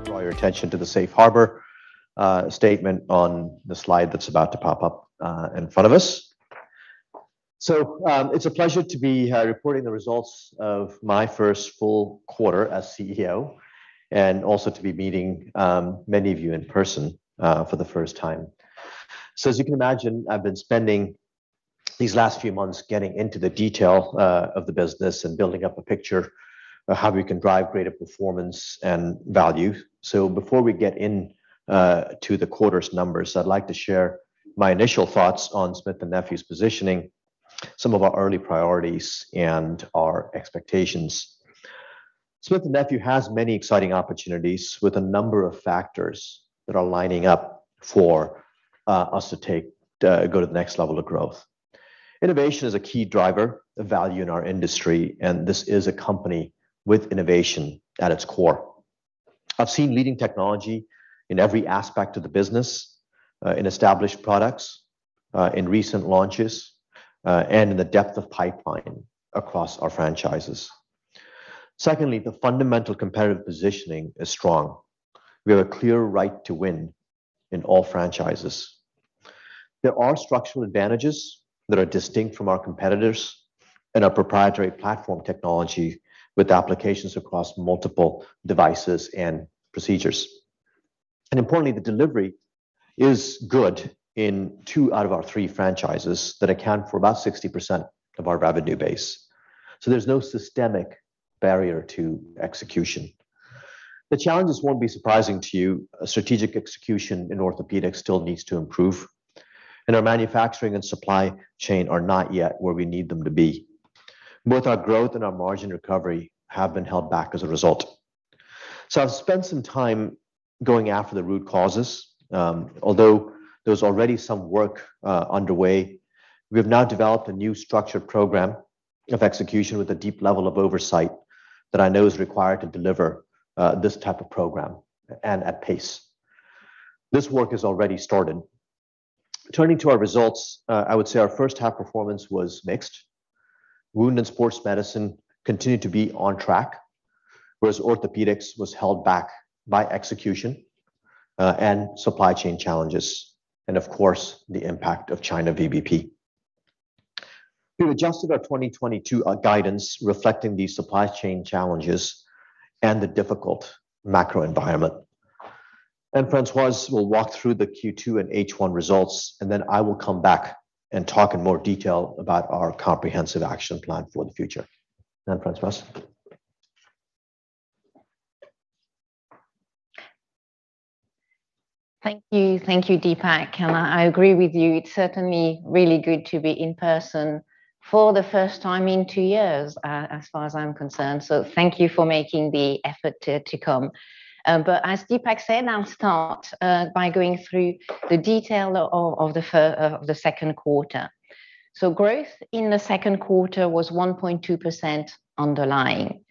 I will just draw your attention to the Safe Harbor statement on the slide that's about to pop up in front of us. It's a pleasure to be reporting the results of my first full quarter as CEO, and also to be meeting many of you in person for the first time. As you can imagine, I've been spending these last few months getting into the detail of the business and building up a picture of how we can drive greater performance and value. Before we get in to the quarter's numbers, I'd like to share my initial thoughts on Smith & Nephew's positioning, some of our early priorities and our expectations. Smith & Nephew has many exciting opportunities with a number of factors that are lining up for us to go to the next level of growth. Innovation is a key driver of value in our industry, and this is a company with innovation at its core. I've seen leading technology in every aspect of the business, in established products, in recent launches, and in the depth of pipeline across our franchises. Secondly, the fundamental competitive positioning is strong. We have a clear right to win in all franchises. There are structural advantages that are distinct from our competitors and our proprietary platform technology with applications across multiple devices and procedures. Importantly, the delivery is good in two out of our three franchises that account for about 60% of our revenue base. There's no systemic barrier to execution. The challenges won't be surprising to you, strategic execution in Orthopaedics still needs to improve. And our manufacturing and supply chain are not yet where we need them to be. Both our growth and our margin recovery have been held back as a result. I've spent some time going after the root causes, although there's already some work underway. We have now developed a new structured program of execution with a deep level of oversight that I know is required to deliver this type of program and at pace. This work has already started. Turning to our results, I would say our first half performance was mixed. Wound and Sports Medicine continued to be on track, whereas Orthopaedics was held back by execution and supply chain challenges, and of course, the impact of China VBP. We've adjusted our 2022 guidance reflecting these supply chain challenges and the difficult macro environment. Anne-Françoise will walk through the Q2 and H1 results, and then I will come back and talk in more detail about our comprehensive action plan for the future. Anne-Françoise. Thank you. Thank you, Deepak. I agree with you. It's certainly really good to be in person for the first time in two years, as far as I'm concerned. Thank you for making the effort to come. As Deepak said, I'll start by going through the detail of the second quarter. Growth in the second quarter was 1.2% underlying.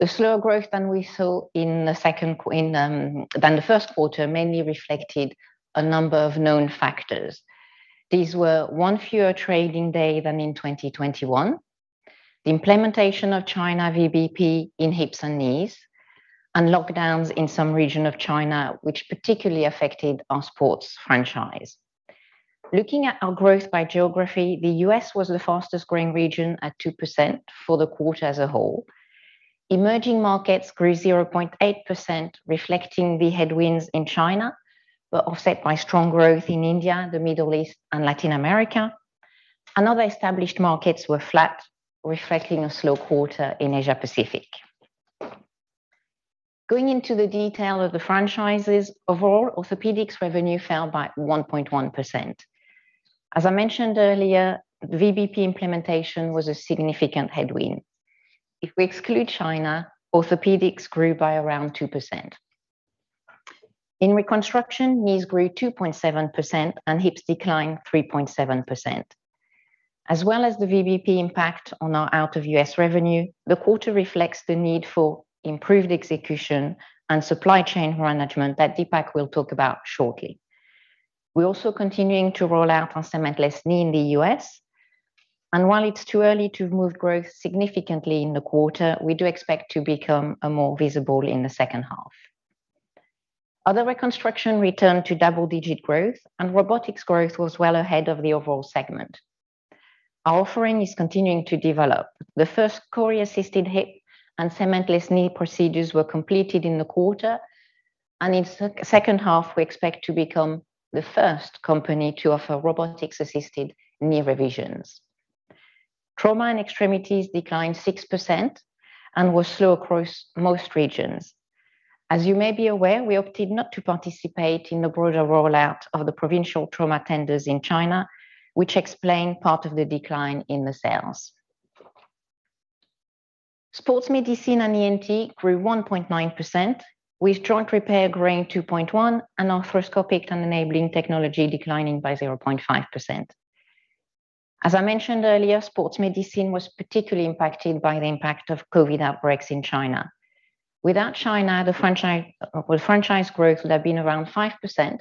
The slower growth than we saw in the first quarter mainly reflected a number of known factors. These were: one fewer trading day than in 2021; the implementation of China VBP in hips and knees; and lockdowns in some region of China, which particularly affected our Sports franchise. Looking at our growth by geography: the U.S. was the fastest-growing region at 2% for the quarter as a whole; emerging markets grew 0.8%, reflecting the headwinds in China, but offset by strong growth in India, the Middle East, and Latin America; other established markets were flat, reflecting a slow quarter in Asia-Pacific. Going into the detail of the franchises, overall. Orthopaedics revenue fell by 1.1%. As I mentioned earlier, VBP implementation was a significant headwind. If we exclude China, Orthopaedics grew by around 2%. In Reconstruction, knees grew 2.7% and hips declined 3.7%. As well as the VBP impact on our out of U.S. revenue, the quarter reflects the need for improved execution and supply chain management that Deepak will talk about shortly. We're also continuing to roll out our cementless knee in the U.S. While it's too early to move growth significantly in the quarter, we do expect to become more visible in the second half. Other reconstruction returned to double-digit growth, and robotics growth was well ahead of the overall segment. Our offering is continuing to develop. The first CORI-assisted hip and cementless knee procedures were completed in the quarter, and in second half, we expect to become the first company to offer robotics-assisted knee revisions. Trauma & Extremities declined 6% and were slow across most regions. As you may be aware, we opted not to participate in the broader rollout of the provincial trauma tenders in China, which explain part of the decline in the sales. Sports Medicine and ENT grew 1.9%, with Joint Repair growing 2.1% and Arthroscopic Enabling Technologies declining by 0.5%. As I mentioned earlier, Sports Medicine was particularly impacted by the impact of COVID outbreaks in China. Without China, the franchise growth would have been around 5%,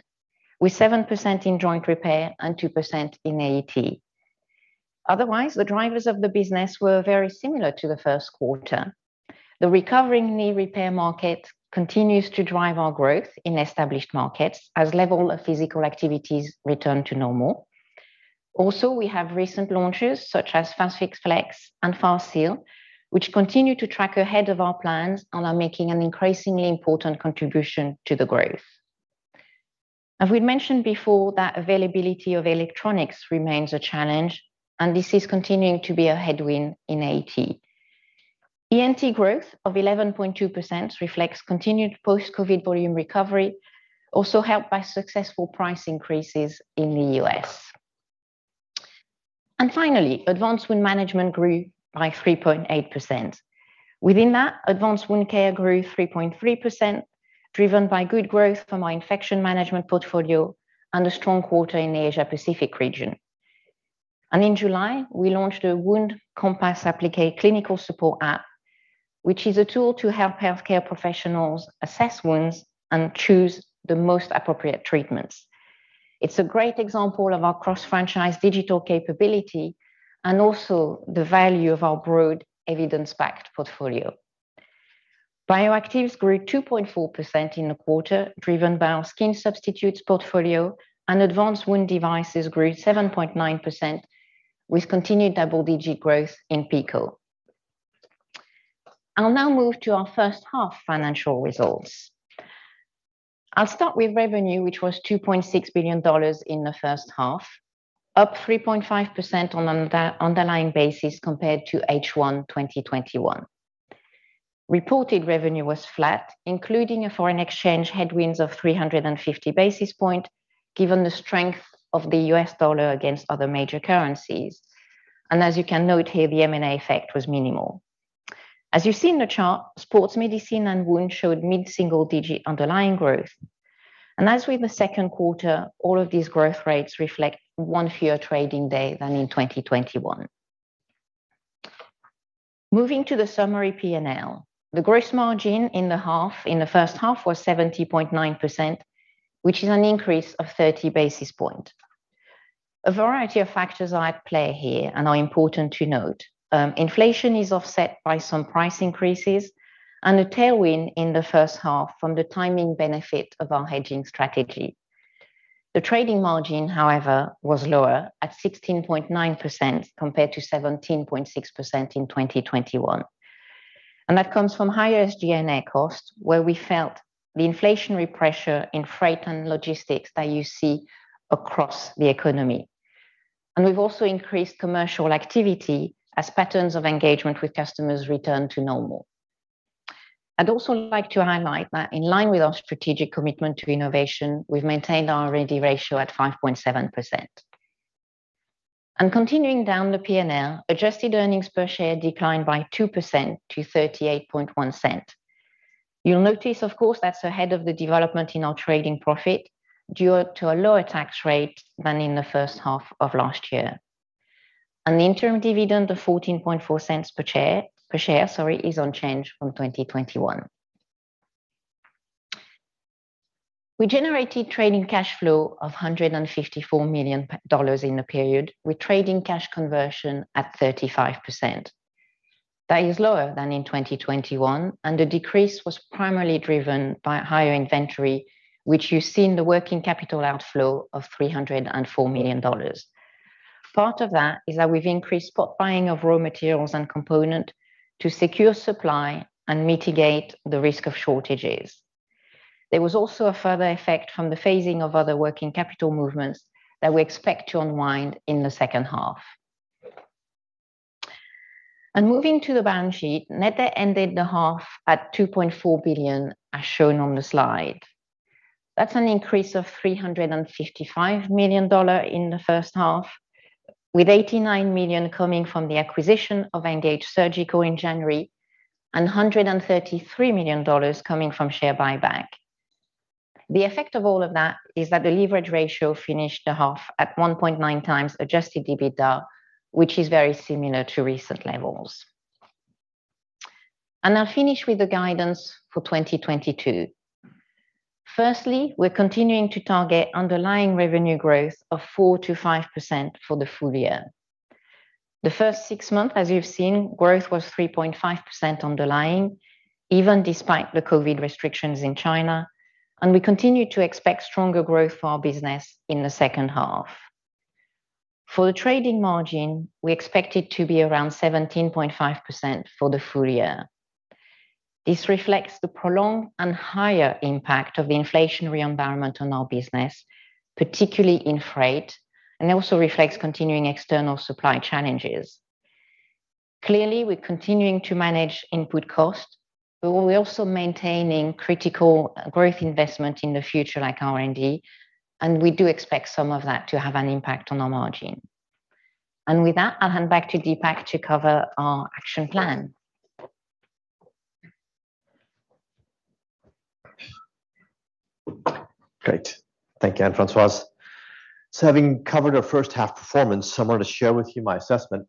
with 7% in Joint Repair and 2% in AET. Otherwise, the drivers of the business were very similar to the first quarter. The recovering knee repair market continues to drive our growth in established markets as level of physical activities return to normal. Also, we have recent launches such as FAST-FIX FLEX and FAST-SEAL, which continue to track ahead of our plans and are making an increasingly important contribution to the growth. As we'd mentioned before, that availability of electronics remains a challenge, and this is continuing to be a headwind in AET. ENT growth of 11.2% reflects continued post-COVID volume recovery, also helped by successful price increases in the U.S. Finally, Advanced Wound Management grew by 3.8%. Within that, Advanced Wound Care grew 3.3%, driven by good growth from our infection management portfolio and a strong quarter in Asia Pacific region. In July, we launched a WoundCOMPASS Clinical Support App, which is a tool to help healthcare professionals assess wounds and choose the most appropriate treatments. It's a great example of our cross-franchise digital capability and also the value of our broad evidence-backed portfolio. Bioactives grew 2.4% in the quarter, driven by our skin substitutes portfolio and advanced wound devices grew 7.9% with continued double-digit growth in PICO. I'll now move to our first half financial results. I'll start with revenue, which was $2.6 billion in the first half, up 3.5% on an underlying basis compared to H1 2021. Reported revenue was flat, including a foreign exchange headwinds of 350 basis points, given the strength of the U.S. dollar against other major currencies. As you can note here, the M&A effect was minimal. As you see in the chart, Sports Medicine and Wound showed mid-single digit underlying growth. As with the second quarter, all of these growth rates reflect one fewer trading day than in 2021. Moving to the summary P&L. The gross margin in the half, in the first half was 70.9%, which is an increase of 30 basis points. A variety of factors are at play here and are important to note. Inflation is offset by some price increases and a tailwind in the first half from the timing benefit of our hedging strategy. The trading margin, however, was lower at 16.9% compared to 17.6% in 2021, and that comes from higher SG&A costs, where we felt the inflationary pressure in freight and logistics that you see across the economy. We've also increased commercial activity as patterns of engagement with customers return to normal. I'd also like to highlight that in line with our strategic commitment to innovation, we've maintained our R&D ratio at 5.7%. Continuing down the P&L, adjusted earnings per share declined by 2% to $0.381. You'll notice, of course, that's ahead of the development in our trading profit due to a lower tax rate than in the first half of last year. An interim dividend of $0.144 per share, sorry, is unchanged from 2021. We generated trading cash flow of $154 million in the period, with trading cash conversion at 35%. That is lower than in 2021, and the decrease was primarily driven by higher inventory, which you see in the working capital outflow of $304 million. Part of that is that we've increased spot buying of raw materials and component to secure supply and mitigate the risk of shortages. There was also a further effect from the phasing of other working capital movements that we expect to unwind in the second half. Moving to the balance sheet, net debt ended the half at $2.4 billion, as shown on the slide. That's an increase of $355 million in the first half, with $89 million coming from the acquisition of Engage Surgical in January and $133 million coming from share buyback. The effect of all of that is that the leverage ratio finished the half at 1.9x adjusted EBITDA, which is very similar to recent levels. I'll finish with the guidance for 2022. Firstly, we're continuing to target underlying revenue growth of 4%-5% for the full year. The first six months, as you've seen, growth was 3.5% underlying, even despite the COVID restrictions in China, and we continue to expect stronger growth for our business in the second half. For the trading margin, we expect it to be around 17.5% for the full year. This reflects the prolonged and higher impact of the inflationary environment on our business, particularly in freight, and also reflects continuing external supply challenges. Clearly, we're continuing to manage input cost, but we're also maintaining critical growth investment in the future, like R&D, and we do expect some of that to have an impact on our margin. With that, I'll hand back to Deepak to cover our action plan. Great. Thank you, Anne-Françoise. Having covered our first half performance, I want to share with you my assessment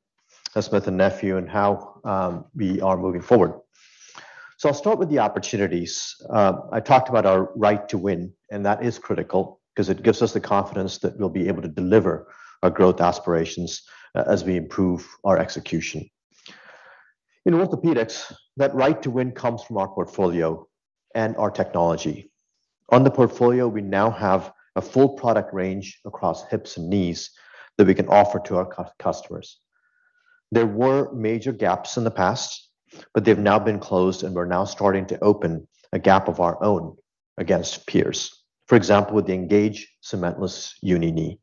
of Smith & Nephew and how we are moving forward. I'll start with the opportunities. I talked about our right to win, and that is critical 'cause it gives us the confidence that we'll be able to deliver our growth aspirations as we improve our execution. In Orthopaedics, that right to win comes from our portfolio and our technology. On the portfolio, we now have a full product range across hips and knees that we can offer to our customers. There were major gaps in the past, but they've now been closed, and we're now starting to open a gap of our own against peers. For example, with the ENGAGE Cementless Uni Knee.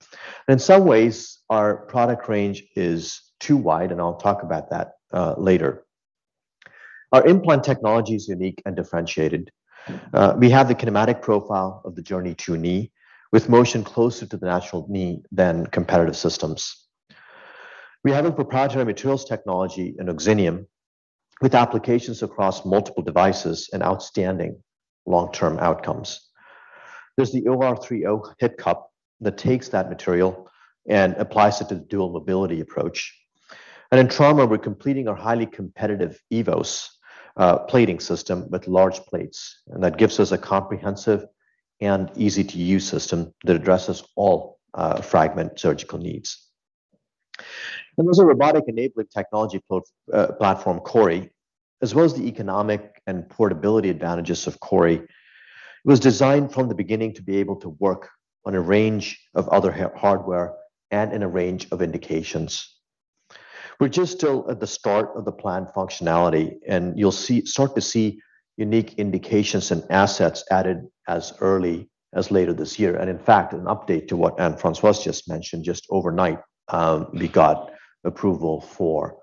In some ways, our product range is too wide, and I'll talk about that later. Our implant technology is unique and differentiated. We have the kinematic profile of the JOURNEY II Knee with motion closer to the natural knee than competitive systems. We have a proprietary materials technology in OXINIUM with applications across multiple devices and outstanding long-term outcomes. There's the OR3O hip cup that takes that material and applies it to the dual mobility approach. In Trauma, we're completing our highly competitive EVOS Plating System with large plates, and that gives us a comprehensive and easy-to-use system that addresses all fragment surgical needs. There's a robotic-enabled technology platform, CORI, as well as the economic and portability advantages of CORI. It was designed from the beginning to be able to work on a range of other hardware and in a range of indications. We're just still at the start of the planned functionality, and you'll start to see unique indications and assets added as early as later this year. In fact, an update to what Anne-Françoise just mentioned, just overnight, we got approval for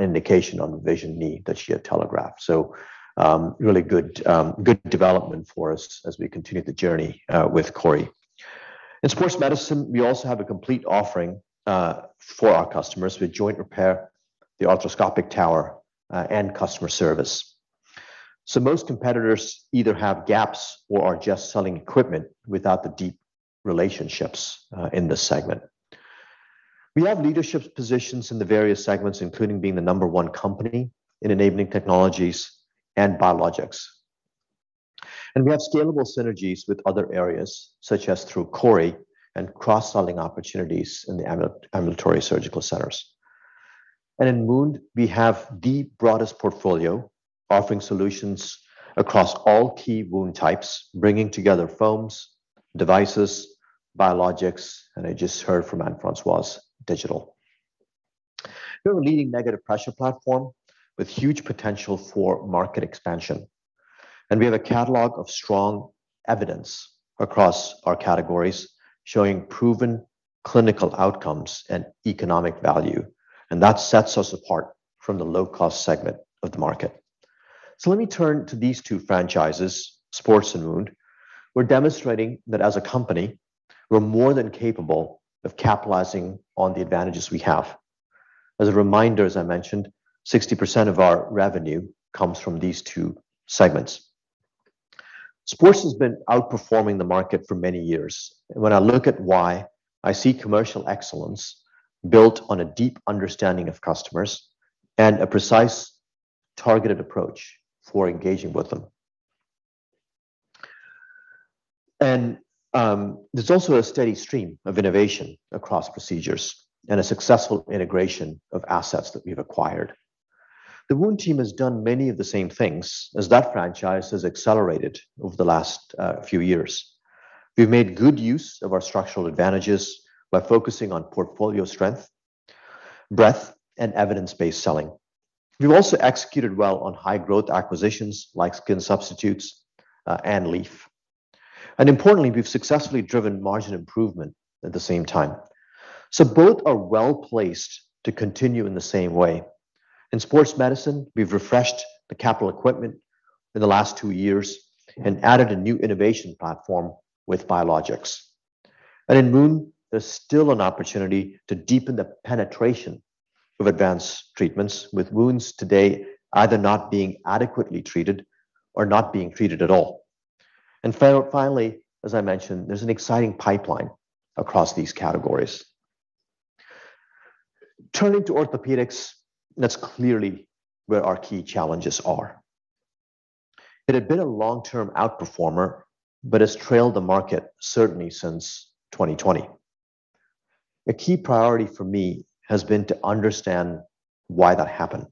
indication on the revision knee that she had telegraphed. Really good development for us as we continue the journey with CORI. In Sports Medicine, we also have a complete offering for our customers with Joint Repair, the Arthroscopic Tower, and customer service. Most competitors either have gaps or are just selling equipment without the deep relationships in this segment. We have leadership positions in the various segments, including being the number one company in enabling technologies and biologics. We have scalable synergies with other areas, such as through CORI and cross-selling opportunities in the ambulatory surgical centres. In Wound, we have the broadest portfolio offering solutions across all key wound types, bringing together foams, devices, biologics, and I just heard from Anne-Françoise, digital. We have a leading negative pressure platform with huge potential for market expansion. We have a catalog of strong evidence across our categories showing proven clinical outcomes and economic value, and that sets us apart from the low-cost segment of the market. Let me turn to these two franchises, Sports and Wound. We're demonstrating that as a company, we're more than capable of capitalizing on the advantages we have. As a reminder, as I mentioned, 60% of our revenue comes from these two segments. Sports has been outperforming the market for many years. When I look at why, I see commercial excellence built on a deep understanding of customers and a precise targeted approach for engaging with them. There's also a steady stream of innovation across procedures and a successful integration of assets that we've acquired. The Wound team has done many of the same things as that franchise has accelerated over the last few years. We've made good use of our structural advantages by focusing on portfolio strength, breadth, and evidence-based selling. We've also executed well on high growth acquisitions like Skin Substitutes and Leaf. Importantly, we've successfully driven margin improvement at the same time. Both are well-placed to continue in the same way. In Sports Medicine, we've refreshed the capital equipment in the last two years and added a new innovation platform with biologics. In Wound, there's still an opportunity to deepen the penetration of advanced treatments with wounds today either not being adequately treated or not being treated at all. Finally, as I mentioned, there's an exciting pipeline across these categories. Turning to Orthopaedics, that's clearly where our key challenges are. It had been a long-term outperformer but has trailed the market certainly since 2020. A key priority for me has been to understand why that happened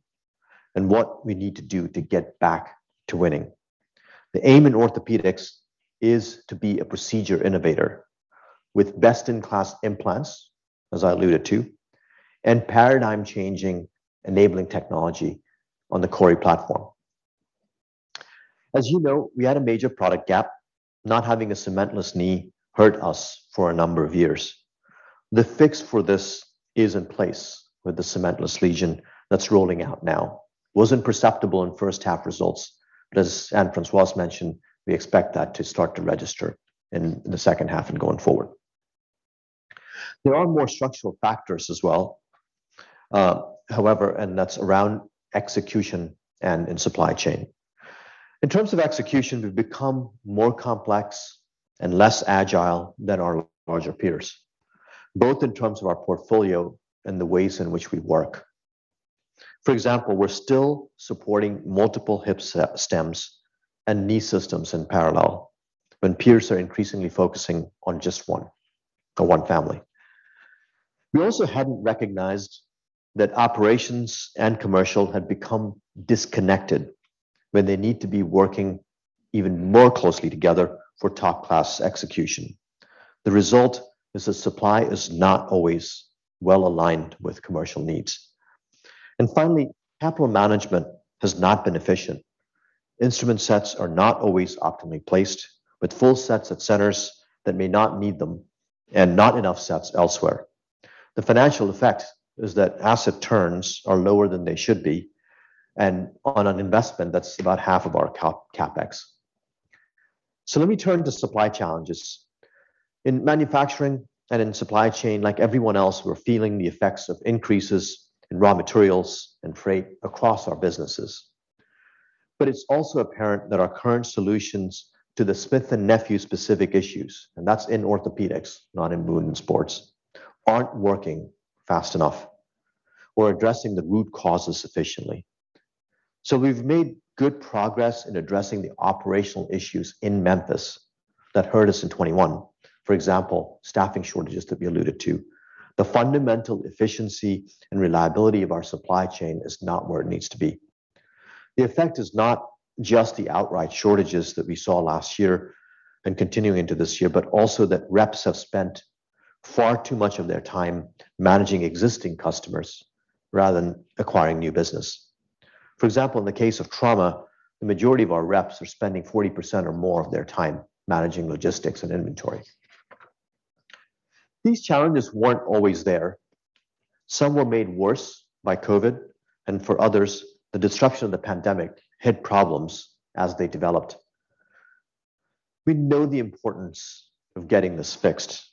and what we need to do to get back to winning. The aim in Orthopaedics is to be a procedure innovator with best-in-class implants, as I alluded to, and paradigm-changing enabling technology on the CORI platform. As you know, we had a major product gap. Not having a cementless knee hurt us for a number of years. The fix for this is in place with the cementless LEGION that's rolling out now. Wasn't perceptible in first half results, but as Anne-Françoise mentioned, we expect that to start to register in the second half and going forward. There are more structural factors as well. However, that's around execution and in supply chain. In terms of execution, we've become more complex and less agile than our larger peers. Both in terms of our portfolio and the ways in which we work. For example, we're still supporting multiple hip stems and knee systems in parallel when peers are increasingly focusing on just one or one family. We also hadn't recognized that operations and commercial had become disconnected when they need to be working even more closely together for top-class execution. The result is that supply is not always well aligned with commercial needs. Finally, capital management has not been efficient. Instrument sets are not always optimally placed, with full sets at centers that may not need them, and not enough sets elsewhere. The financial effect is that asset turns are lower than they should be, and on an investment that's about half of our CapEx. Let me turn to supply challenges. In manufacturing and in supply chain, like everyone else, we're feeling the effects of increases in raw materials and freight across our businesses. It's also apparent that our current solutions to the Smith & Nephew specific issues, and that's in Orthopaedics, not in Wound and Sports, aren't working fast enough. We're addressing the root causes sufficiently. We've made good progress in addressing the operational issues in Memphis that hurt us in 2021. For example, staffing shortages that we alluded to. The fundamental efficiency and reliability of our supply chain is not where it needs to be. The effect is not just the outright shortages that we saw last year and continuing into this year, but also that reps have spent far too much of their time managing existing customers rather than acquiring new business. For example, in the case of trauma, the majority of our reps are spending 40% or more of their time managing logistics and inventory. These challenges weren't always there. Some were made worse by COVID, and for others, the disruption of the pandemic hid problems as they developed. We know the importance of getting this fixed,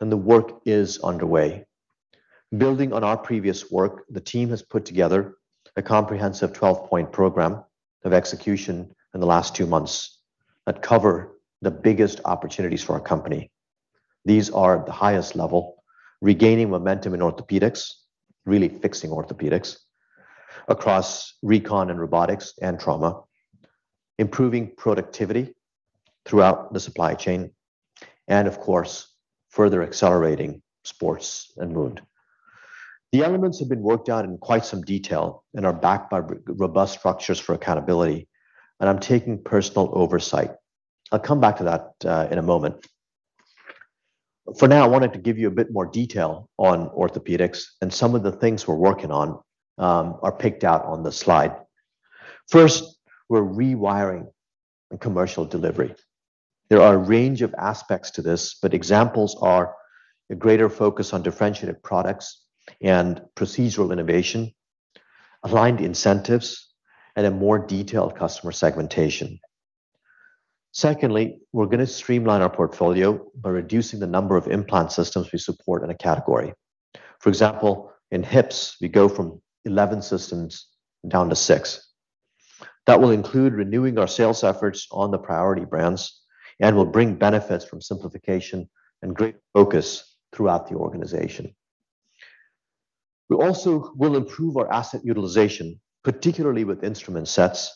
and the work is underway. Building on our previous work, the team has put together a comprehensive 12-point program of execution in the last two months that cover the biggest opportunities for our company. These are the highest level. Regaining momentum in Orthopaedics, really fixing orthopaedics across recon and robotics and trauma, improving productivity throughout the supply chain, and of course, further accelerating Sports and Wound. The elements have been worked out in quite some detail and are backed by robust structures for accountability, and I'm taking personal oversight. I'll come back to that in a moment. For now, I wanted to give you a bit more detail on Orthopaedics, and some of the things we're working on are picked out on the slide. First, we're rewiring commercial delivery. There are a range of aspects to this, but examples are: a greater focus on differentiated products and procedural innovation; aligned incentives, and a more detailed customer segmentation. Secondly, we're gonna streamline our portfolio by reducing the number of implant systems we support in a category. For example, in hips, we go from 11 systems down to six. That will include renewing our sales efforts on the priority brands and will bring benefits from simplification and great focus throughout the organization. We also will improve our asset utilization, particularly with instrument sets.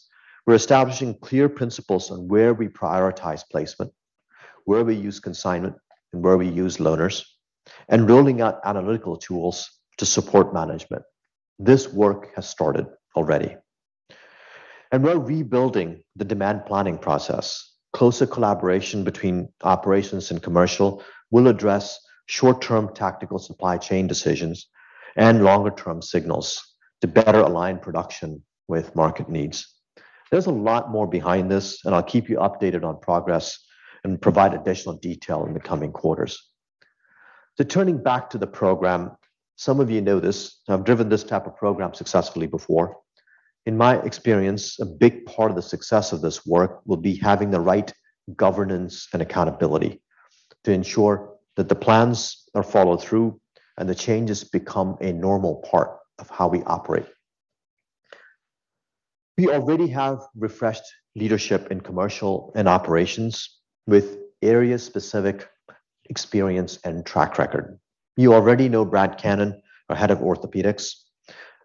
We're establishing clear principles on where we prioritize placement, where we use consignment, and where we use loaners, and rolling out analytical tools to support management. This work has started already. We're rebuilding the demand planning process. Closer collaboration between operations and commercial will address short-term tactical supply chain decisions and longer term signals to better align production with market needs. There's a lot more behind this, and I'll keep you updated on progress and provide additional detail in the coming quarters. Turning back to the program, some of you know this. I've driven this type of program successfully before. In my experience, a big part of the success of this work will be having the right governance and accountability to ensure that the plans are followed through and the changes become a normal part of how we operate. We already have refreshed leadership in commercial and operations with area-specific experience and track record. You already know Brad Cannon, our Head of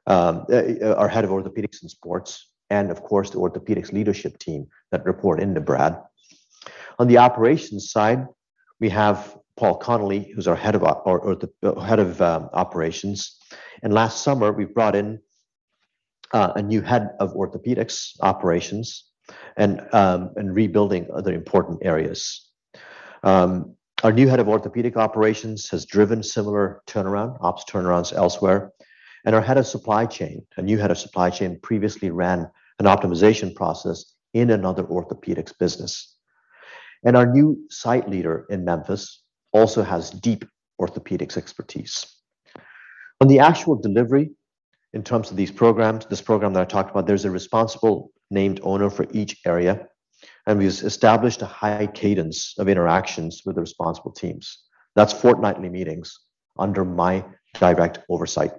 Orthopaedics and Sports, and of course, the Orthopaedics leadership team that report into Brad. On the operations side, we have Paul Connolly, who's our Head of Operations. Last summer, we brought in a new Head of Orthopaedics Operations and rebuilding other important areas. Our new Head of Orthopaedic Operations has driven similar turnaround, Ops turnarounds elsewhere. Our Head of Supply Chain, a new Head of Supply Chain previously ran an optimization process in another orthopaedics business. Our new site leader in Memphis also has deep orthopaedics expertise. On the actual delivery, in terms of these programs, this program that I talked about, there's a responsible named owner for each area, and we've established a high cadence of interactions with the responsible teams. That's fortnightly meetings under my direct oversight.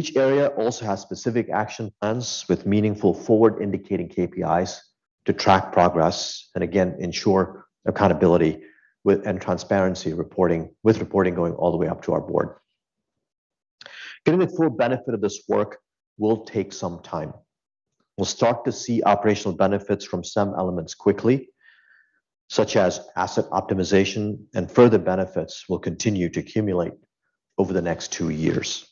Each area also has specific action plans with meaningful forward indicating KPIs to track progress and again, ensure accountability with, and transparency reporting, with reporting going all the way up to our Board. Getting the full benefit of this work will take some time. We'll start to see operational benefits from some elements quickly, such as asset optimization, and further benefits will continue to accumulate over the next two years.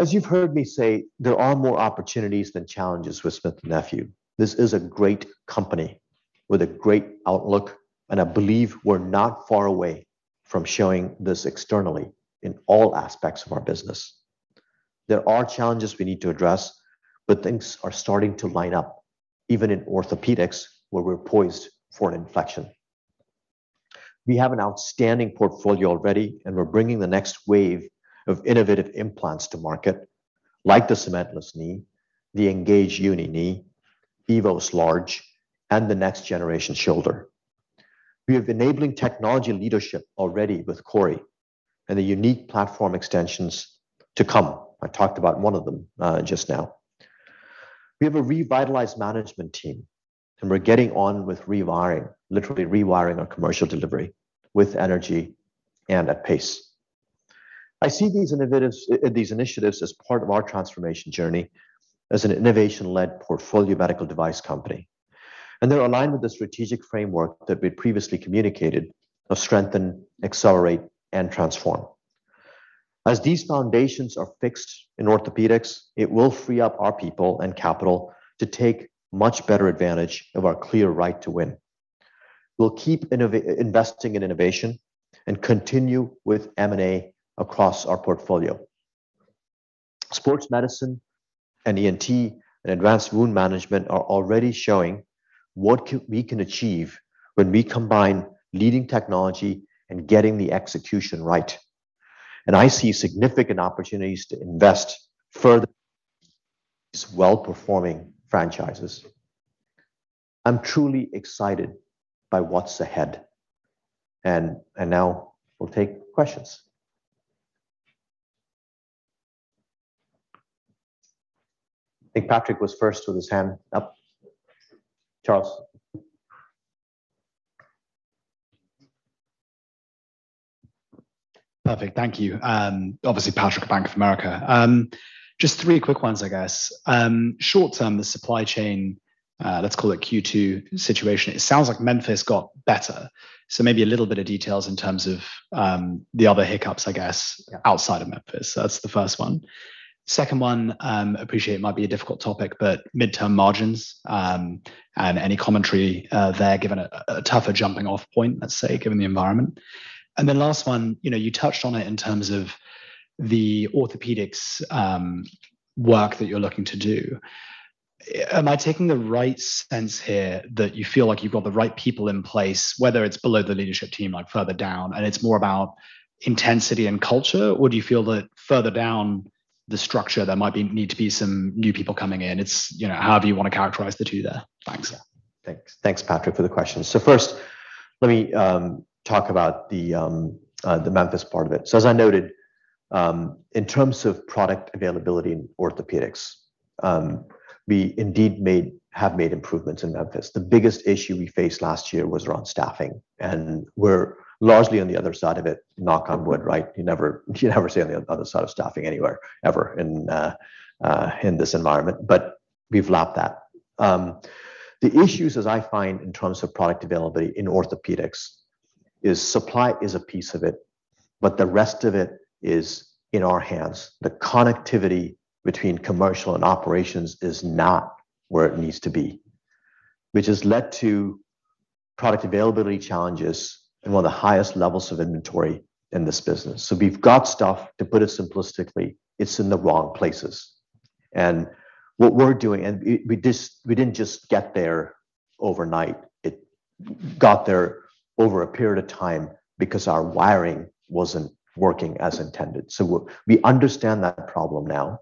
As you've heard me say, there are more opportunities than challenges with Smith & Nephew. This is a great company with a great outlook, and I believe we're not far away from showing this externally in all aspects of our business. There are challenges we need to address, but things are starting to line up, even in Orthopaedics, where we're poised for an inflection. We have an outstanding portfolio already, and we're bringing the next wave of innovative implants to market, like the cementless knee, the ENGAGE Uni Knee, EVOS Large, and the next generation shoulder. We have enabling technology leadership already with CORI and the unique platform extensions to come. I talked about one of them, just now. We have a revitalized management team, and we're getting on with rewiring, literally rewiring our commercial delivery with energy and at pace. I see these initiatives as part of our transformation journey as an innovation-led portfolio medical device company. They're aligned with the strategic framework that we previously communicated of strengthen, accelerate, and transform. As these foundations are fixed in Orthopaedics, it will free up our people and capital to take much better advantage of our clear right to win. We'll keep investing in innovation and continue with M&A across our portfolio. Sports Medicine and ENT and Advanced Wound Management are already showing what we can achieve when we combine leading technology and getting the execution right. I see significant opportunities to invest further these well-performing franchises. I'm truly excited by what's ahead. Now we'll take questions. I think Patrick was first with his hand up. Charles. Perfect. Thank you. Obviously, Patrick, Bank of America. Just three quick ones, I guess. Short term, the supply chain, let's call it Q2 situation. It sounds like Memphis got better. Maybe a little bit of details in terms of the other hiccups, I guess, outside of Memphis. That's the first one. Second one, I appreciate it might be a difficult topic, but midterm margins and any commentary there, given a tougher jumping off point, let's say, given the environment. Last one, you know, you touched on it in terms of the orthopaedics work that you're looking to do. Am I taking the right sense here that you feel like you've got the right people in place, whether it's below the leadership team, like further down, and it's more about intensity and culture? Do you feel that further down the structure there might need to be some new people coming in? It's, you know, however you want to characterize the two there. Thanks. Thanks. Thanks, Patrick, for the questions. First, let me talk about the Memphis part of it. As I noted, in terms of product availability in Orthopaedics, we indeed have made improvements in Memphis. The biggest issue we faced last year was around staffing, and we're largely on the other side of it, knock on wood, right? You never say on the other side of staffing anywhere, ever in this environment, but we've lapped that. The issues as I find in terms of product availability in Orthopaedics is supply is a piece of it, but the rest of it is in our hands. The connectivity between commercial and operations is not where it needs to be, which has led to product availability challenges and one of the highest levels of inventory in this business. We've got stuff, to put it simplistically, it's in the wrong places. What we're doing, we didn't just get there overnight. It got there over a period of time because our wiring wasn't working as intended. We understand that problem now.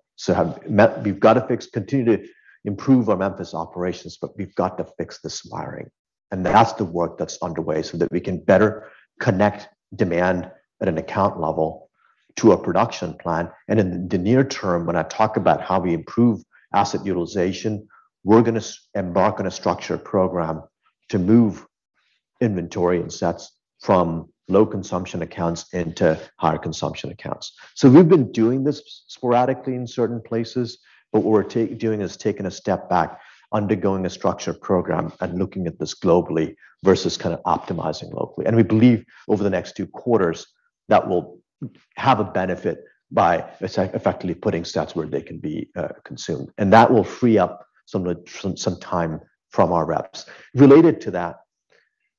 We've got to fix, continue to improve our Memphis operations, but we've got to fix this wiring. That's the work that's underway so that we can better connect demand at an account level to a production plan. In the near term, when I talk about how we improve asset utilization, we're gonna embark on a structured program to move inventory and sets from low consumption accounts into higher consumption accounts. We've been doing this sporadically in certain places, but what we're doing is taking a step back, undergoing a structured program, and looking at this globally versus kind of optimizing locally. We believe over the next two quarters that we'll have a benefit by effectively putting stats where they can be consumed. That will free up some time from our reps. Related to that,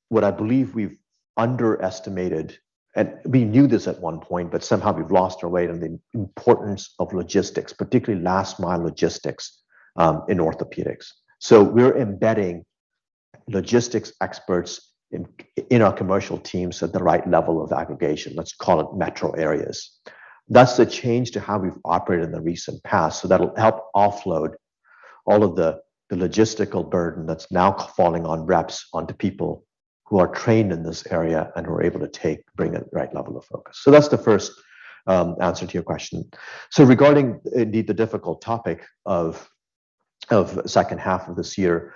what I believe we've underestimated, and we knew this at one point, but somehow, we've lost our way on the importance of logistics, particularly last mile logistics, in Orthopaedics. We're embedding logistics experts in our commercial teams at the right level of aggregation. Let's call it metro areas. That's the change to how we've operated in the recent past, so that'll help offload all of the logistical burden that's now falling on reps, onto people who are trained in this area and who are able to bring the right level of focus. That's the first answer to your question. Regarding indeed the difficult topic of second half of this year,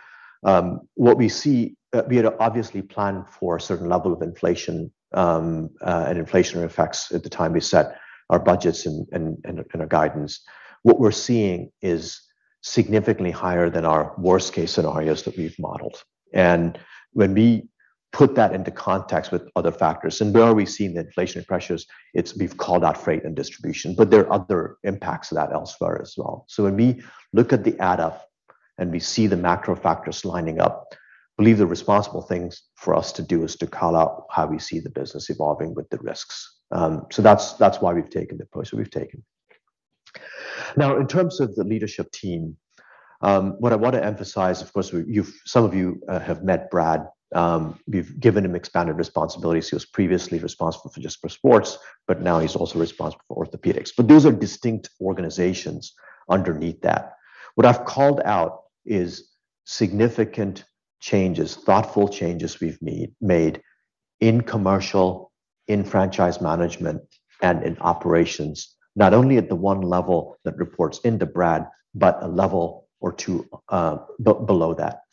what we see we had obviously planned for a certain level of inflation and inflationary effects at the time we set our budgets and our guidance. What we're seeing is significantly higher than our worst-case scenarios that we've modeled. When we put that into context with other factors, and where are we seeing the inflationary pressures, it's we've called out freight and distribution, but there are other impacts of that elsewhere as well. When we look at things add up and we see the macro factors lining up, I believe the responsible thing for us to do is to call out how we see the business evolving with the risks. That's why we've taken the approach that we've taken. Now in terms of the leadership team, what I want to emphasize, of course, some of you have met Brad. We've given him expanded responsibilities. He was previously responsible for just Sports, but now he's also responsible for Orthopaedics. But those are distinct organizations underneath that. What I've called out is significant changes, thoughtful changes we've made in commercial, in franchise management, and in operations, not only at the one level that reports into Brad, but a level or two below that.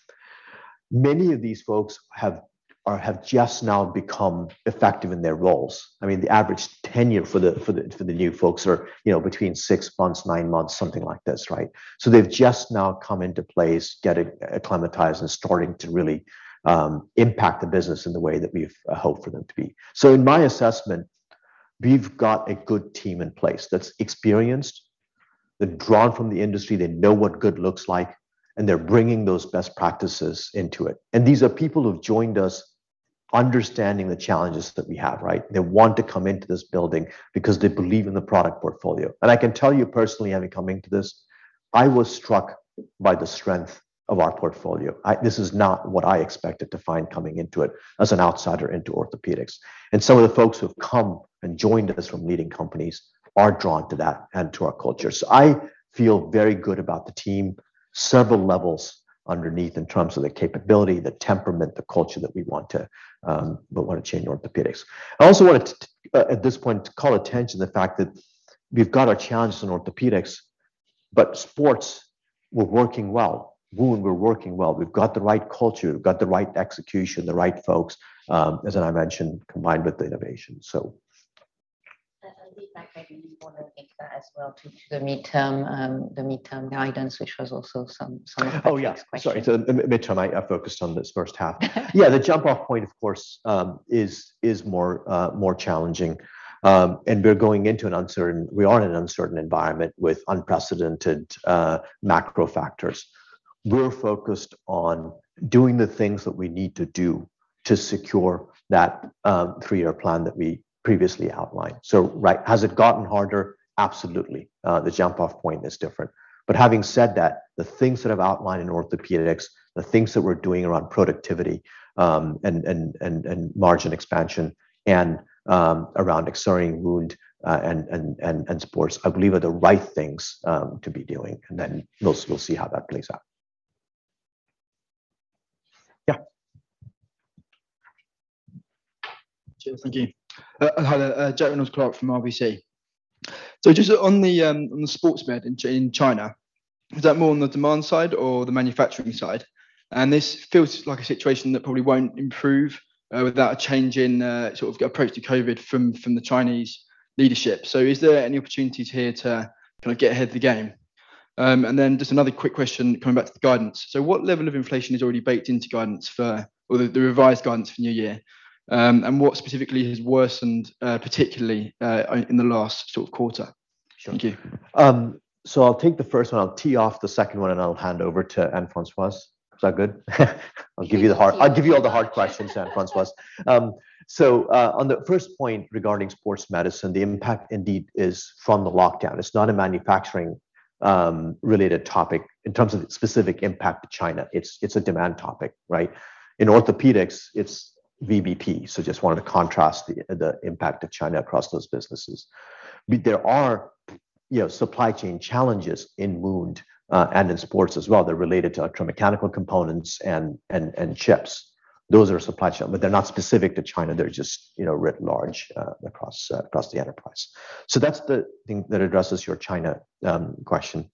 Many of these folks have or have just now become effective in their roles. I mean, the average tenure for the new folks is, you know, between six months, nine months, something like this, right? They've just now come into place, getting acclimatized and starting to really impact the business in the way that we've hoped for them to be. In my assessment, we've got a good team in place that's experienced. They're drawn from the industry. They know what good looks like, and they're bringing those best practices into it. These are people who've joined us understanding the challenges that we have, right? They want to come into this building because they believe in the product portfolio. I can tell you personally, having come into this, I was struck by the strength of our portfolio. This is not what I expected to find coming into it as an outsider into orthopaedics. Some of the folks who've come and joined us from leading companies are drawn to that and to our culture. I feel very good about the team several levels underneath in terms of the capability, the temperament, the culture that we want to change in orthopaedics. I also wanted to at this point to call attention to the fact that we've got our challenges in Orthopaedics, but Sports, we're working well. Wound, we're working well. We've got the right culture. We've got the right execution, the right folks, as I mentioned, combined with the innovation. Feedback maybe you want to take that as well to the midterm, the midterm guidance, which was also some of the- Oh, yeah. Sorry. Midterm, I focused on this first half. Yeah. The jump-off point, of course, is more challenging. We are in an uncertain environment with unprecedented macro factors. We're focused on doing the things that we need to do to secure that three-year plan that we previously outlined. Right. Has it gotten harder? Absolutely. The jump-off point is different. Having said that, the things that I've outlined in Orthopaedics, the things that we're doing around productivity and margin expansion and around accelerating Wound and Sports, I believe are the right things to be doing. Then we'll see how that plays out. Yeah. Cheers. Thank you. Hello, Jack Reynolds-Clark from RBC. Just on the Sports Med in China, is that more on the demand side or the manufacturing side? This feels like a situation that probably won't improve without a change in sort of approach to COVID from the Chinese leadership. Is there any opportunities here to kinda get ahead of the game? Just another quick question coming back to the guidance. What level of inflation is already baked into guidance for the revised guidance for new year? What specifically has worsened particularly in the last sort of quarter? Thank you. I'll take the first one. I'll tee off the second one, and I'll hand over to Anne-Françoise. Is that good? I'll give you all the hard questions, Anne-Françoise. On the first point regarding Sports Medicine, the impact indeed is from the lockdown. It's not a manufacturing related topic in terms of its specific impact to China. It's a demand topic, right? In Orthopaedics, it's VBP, so just wanted to contrast the impact of China across those businesses. There are, you know, supply chain challenges in Wound and in Sports as well. They're related to electromechanical components and chips. Those are supply chain, but they're not specific to China. They're just, you know, writ large across the enterprise. That's the thing that addresses your China question.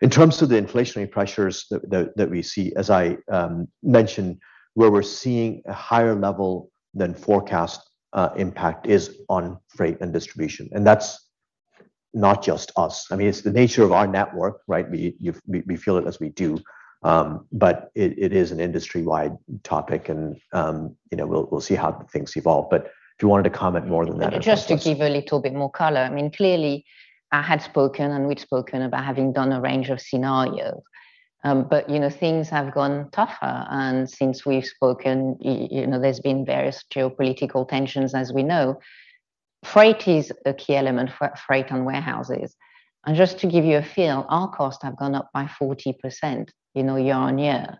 In terms of the inflationary pressures that we see, as I mentioned, where we're seeing a higher level than forecast, impact is on freight and distribution. That's not just us. I mean, it's the nature of our network, right? We feel it as we do. It is an industry-wide topic and, you know, we'll see how things evolve. If you wanted to comment more than that. Just to give a little bit more color. I mean, clearly I had spoken, and we'd spoken about having done a range of scenarios. But you know, things have gotten tougher. Since we've spoken, you know, there's been various geopolitical tensions as we know. Freight is a key element for freight and warehouses. Just to give you a feel, our costs have gone up by 40%, you know, year-on-year.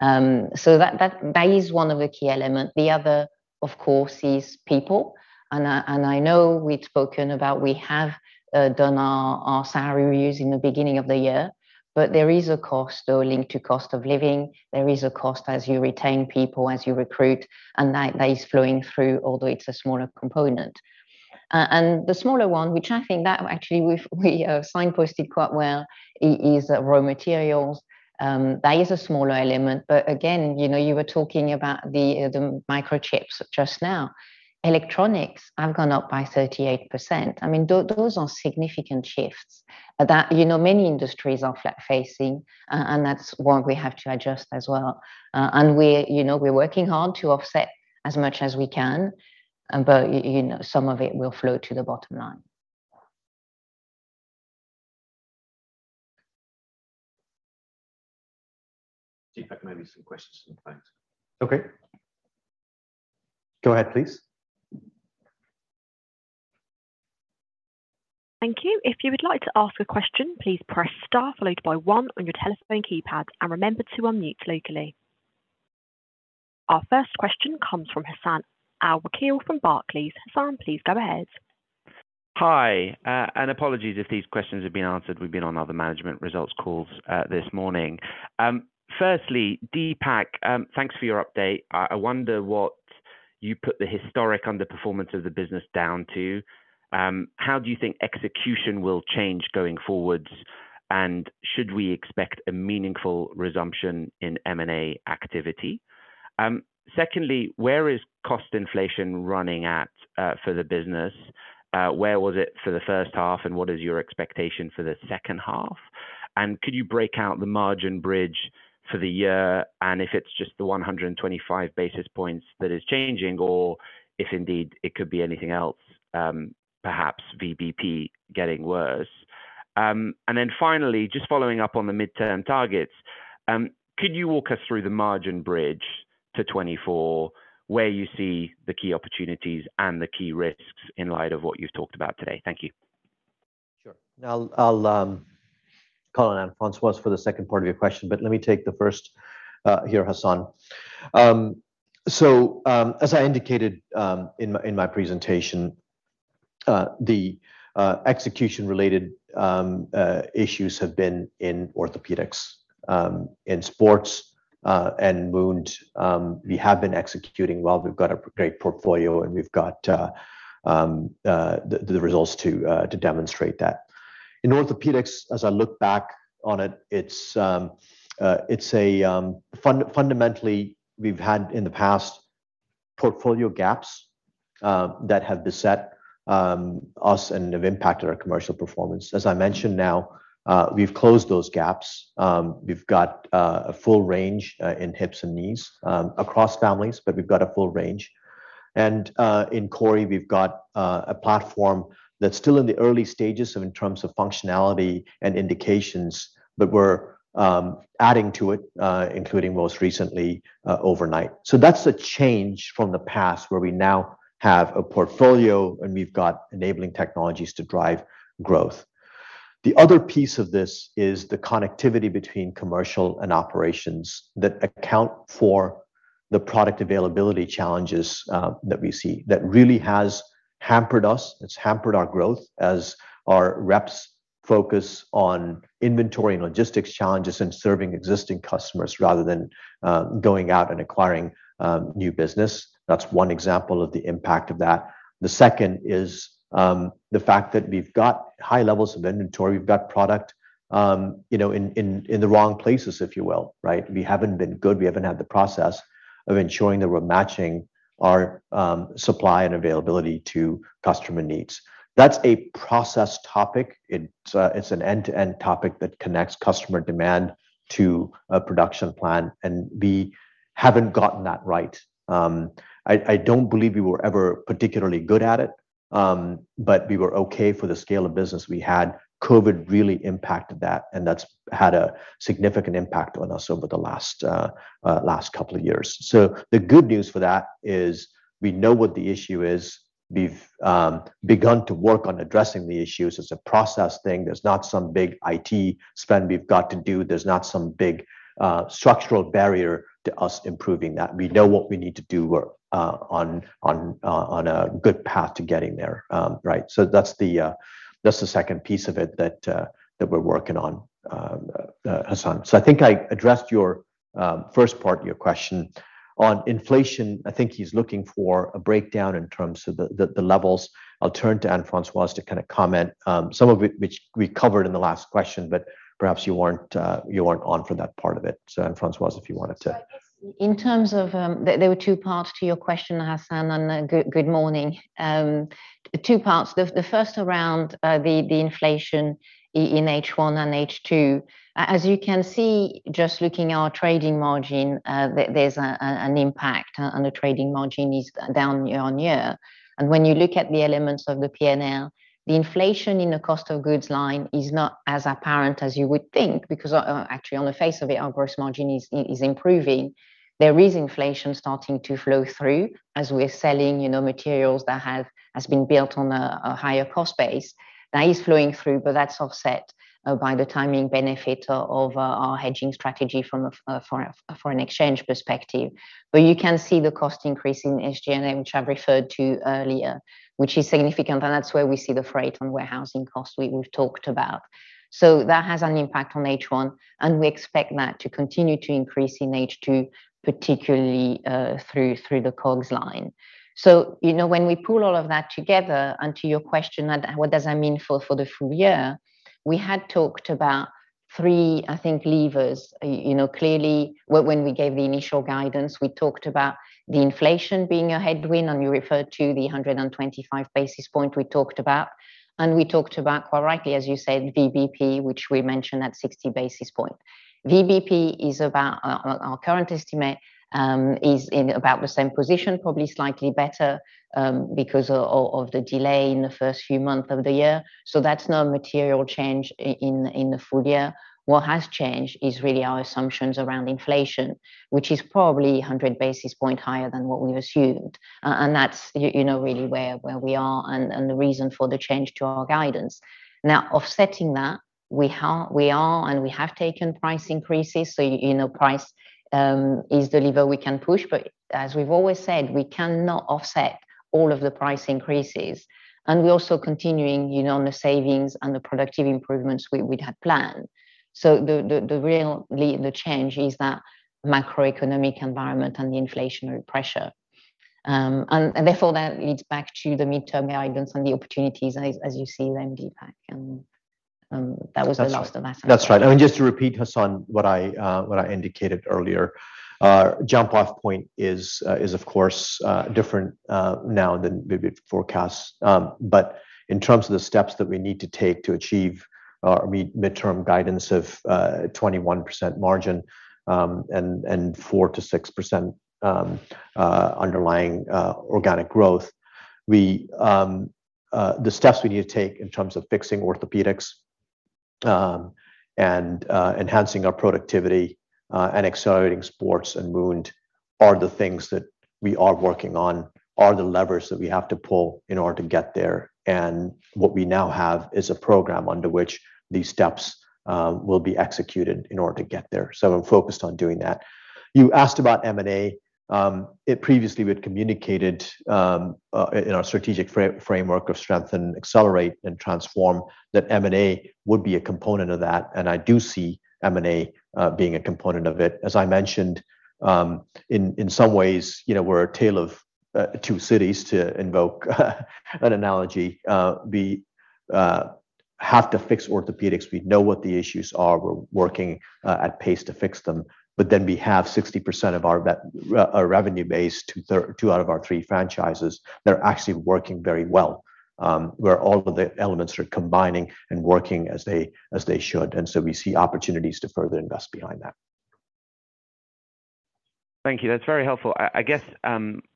That is one of the key element. The other, of course, is people. I know we'd spoken about we have done our salary reviews in the beginning of the year, but there is a cost, though, linked to cost of living. There is a cost as you retain people, as you recruit, and that is flowing through, although it's a smaller component. The smaller one, which I think that actually we've signposted quite well is raw materials. That is a smaller element. Again, you know, you were talking about the microchips just now. Electronics have gone up by 38%. I mean, those are significant shifts that, you know, many industries are facing, and that's one we have to adjust as well. We're, you know, working hard to offset as much as we can, but, you know, some of it will flow to the bottom line. Deepak, maybe some questions from the phones. Okay. Go ahead, please. Thank you. If you would like to ask a question, please press star followed by one on your telephone keypad and remember to unmute locally. Our first question comes from Hassan Al-Wakeel from Barclays. Hassan, please go ahead. Hi, apologies if these questions have been answered. We've been on other management results calls, this morning. Firstly, Deepak, thanks for your update. I wonder what you put the historic underperformance of the business down to. How do you think execution will change going forward? Should we expect a meaningful resumption in M&A activity? Secondly, where is cost inflation running at, for the business? Where was it for the first half, and what is your expectation for the second half? Could you break out the margin bridge for the year and if it's just the 125 basis points that is changing or if indeed it could be anything else, perhaps VBP getting worse? Finally, just following up on the midterm targets, could you walk us through the margin bridge to 2024, where you see the key opportunities and the key risks in light of what you've talked about today? Thank you. Sure. I'll call on Anne-Françoise Nesmes for the second part of your question, but let me take the first here, Hassan. So, as I indicated in my presentation, the execution-related issues have been in Orthopaedics. In Sports and Wound, we have been executing well. We've got a great portfolio, and we've got the results to demonstrate that. In Orthopaedics, as I look back on it's fundamentally we've had in the past portfolio gaps that have beset us and have impacted our commercial performance. As I mentioned now, we've closed those gaps. We've got a full range in hips and knees across families, but we've got a full range. In CORI, we've got a platform that's still in the early stages in terms of functionality and indications, but we're adding to it, including most recently, overnight. That's a change from the past, where we now have a portfolio, and we've got enabling technologies to drive growth. The other piece of this is the connectivity between commercial and operations that account for the product availability challenges that we see. That really has hampered us. It's hampered our growth as our reps focus on inventory and logistics challenges and serving existing customers rather than going out and acquiring new business. That's one example of the impact of that. The second is the fact that we've got high levels of inventory. We've got product, you know, in the wrong places, if you will, right? We haven't been good. We haven't had the process of ensuring that we're matching our supply and availability to customer needs. That's a process topic. It's an end-to-end topic that connects customer demand to a production plan, and we haven't gotten that right. I don't believe we were ever particularly good at it, but we were okay for the scale of business we had. COVID really impacted that, and that's had a significant impact on us over the last couple of years. The good news for that is we know what the issue is. We've begun to work on addressing the issues. It's a process thing. There's not some big IT spend we've got to do. There's not some big structural barrier to us improving that. We know what we need to do. We're on a good path to getting there. Right. That's the second piece of it that we're working on, Hassan. I think I addressed your first part of your question. On inflation, I think he's looking for a breakdown in terms of the levels. I'll turn to Anne-Françoise to kind of comment, some of which we covered in the last question, but perhaps you weren't on for that part of it. Anne-Françoise, if you wanted to. I guess in terms of, there were two parts to your question, Hassan, and good morning. Two parts. The first around the inflation in H1 and H2. As you can see, just looking at our trading margin, there's an impact. The trading margin is down year-on-year. When you look at the elements of the P&L, the inflation in the cost of goods line is not as apparent as you would think because actually on the face of it, our gross margin is improving. There is inflation starting to flow through as we're selling, you know, materials that have been built on a higher cost base. That is flowing through, but that's offset by the timing benefit of our hedging strategy from a for a foreign exchange perspective. But you can see the cost increase in SG&A, which I've referred to earlier, which is significant, and that's where we see the freight and warehousing costs we've talked about. That has an impact on H1, and we expect that to continue to increase in H2, particularly through the COGS line. You know, when we pull all of that together, and to your question, what does that mean for the full year? We had talked about three, I think, levers. You know, clearly when we gave the initial guidance, we talked about the inflation being a headwind, and you referred to the 125 basis points we talked about. We talked about, quite rightly, as you said, VBP, which we mentioned at 60 basis points. VBP is about our current estimate is in about the same position, probably slightly better, because of the delay in the first few months of the year. That's not a material change in the full year. What has changed is really our assumptions around inflation, which is probably 100 basis points higher than what we assumed. And that's you know really where we are and the reason for the change to our guidance. Now, offsetting that, we are and we have taken price increases, so you know price is the lever we can push. As we've always said, we cannot offset all of the price increases. We're also continuing, you know, on the savings and the productive improvements we had planned. The real change is that macroeconomic environment and the inflationary pressure. Therefore, that leads back to the midterm guidance and the opportunities as you see them, Deepak. That was the last of Hassan. That's right. I mean, just to repeat, Hassan, what I indicated earlier, our jump-off point is, of course, different now than we forecast. In terms of the steps that we need to take to achieve our midterm guidance of 21% margin, and 4%-6% underlying organic growth. The steps we need to take in terms of fixing Orthopaedics, and enhancing our productivity, and accelerating Sports and Wound are the things that we are working on, are the levers that we have to pull in order to get there. What we now have is a program under which these steps will be executed in order to get there. I'm focused on doing that. You asked about M&A. Previously we'd communicated in our strategic framework of strengthen, accelerate, and transform, that M&A would be a component of that, and I do see M&A being a component of it. As I mentioned, in some ways, you know, we're a tale of two cities to invoke an analogy. We have to fix Orthopaedics. We know what the issues are. We're working at pace to fix them. We have 60% of our revenue base, two out of our three franchises that are actually working very well, where all of the elements are combining and working as they should. We see opportunities to further invest behind that. Thank you. That's very helpful. I guess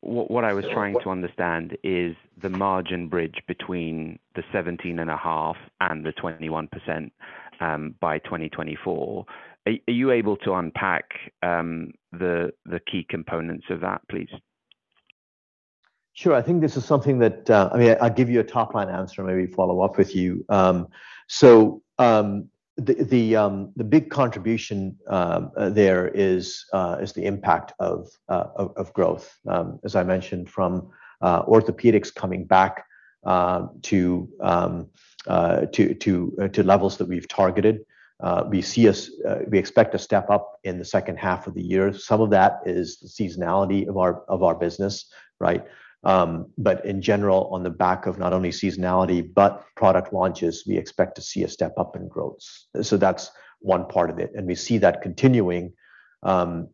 what I was trying to understand is the margin bridge between the 17.5% and the 21% by 2024. Are you able to unpack the key components of that, please? Sure. I think this is something that, I mean, I'll give you a top-line answer and maybe follow up with you. So, the big contribution there is the impact of growth, as I mentioned, from Orthopaedics coming back to levels that we've targeted. We expect a step up in the second half of the year. Some of that is the seasonality of our business, right? In general, on the back of not only seasonality, but product launches, we expect to see a step up in growth. That's one part of it. We see that continuing,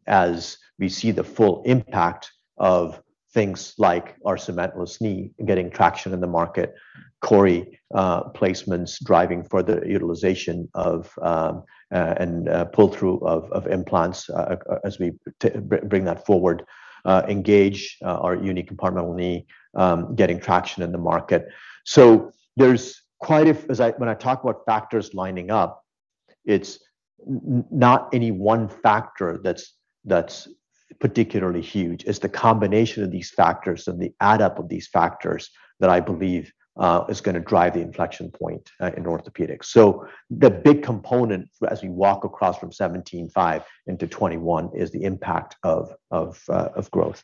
as we see the full impact of things like our cementless knee getting traction in the market, CORI placements driving further utilization of and pull-through of implants, as we bring that forward. ENGAGE, our unique compartmental knee, getting traction in the market. There's quite a few when I talk about factors lining up, it's not any one factor that's particularly huge. It's the combination of these factors and the add up of these factors that I believe is gonna drive the inflection point in Orthopaedics. The big component as we walk across from 17.5 into 21 is the impact of growth.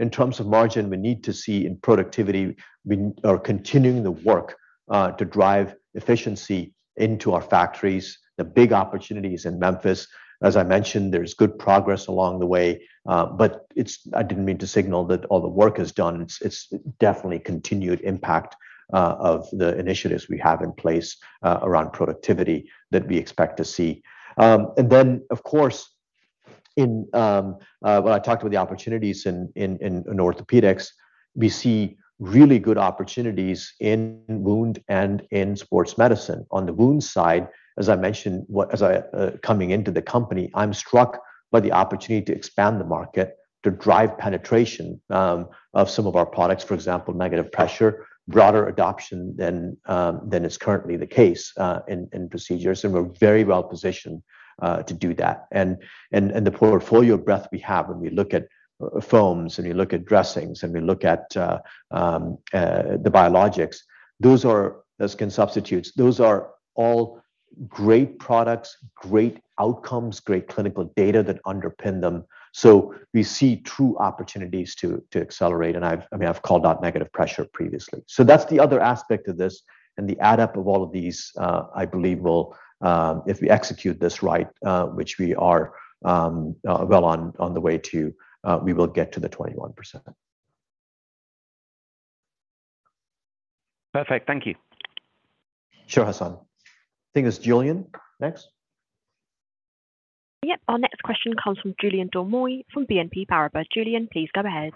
In terms of margin, we need to see in productivity, we are continuing the work to drive efficiency into our factories. The big opportunity is in Memphis. As I mentioned, there's good progress along the way, but I didn't mean to signal that all the work is done. It's definitely continuing impact of the initiatives we have in place around productivity that we expect to see. When I talked about the opportunities in Orthopaedics, we see really good opportunities in Wound and in Sports Medicine. On the Wound side, as I mentioned, as I'm coming into the company, I'm struck by the opportunity to expand the market, to drive penetration of some of our products. For example, negative pressure, broader adoption than is currently the case in procedures, and we're very well positioned to do that. The portfolio breadth we have when we look at foams, and you look at dressings, and we look at the biologics, those are the skin substitutes. Those are all great products, great outcomes, great clinical data that underpin them. We see true opportunities to accelerate. I mean, I've called out negative pressure previously. That's the other aspect of this. The add up of all of these, I believe will, if we execute this right, which we are, well on the way to, we will get to the 21%. Perfect. Thank you. Sure, Hassan. I think it's Julien next. Yep. Our next question comes from Julien Dormois from BNP Paribas. Julien, please go ahead.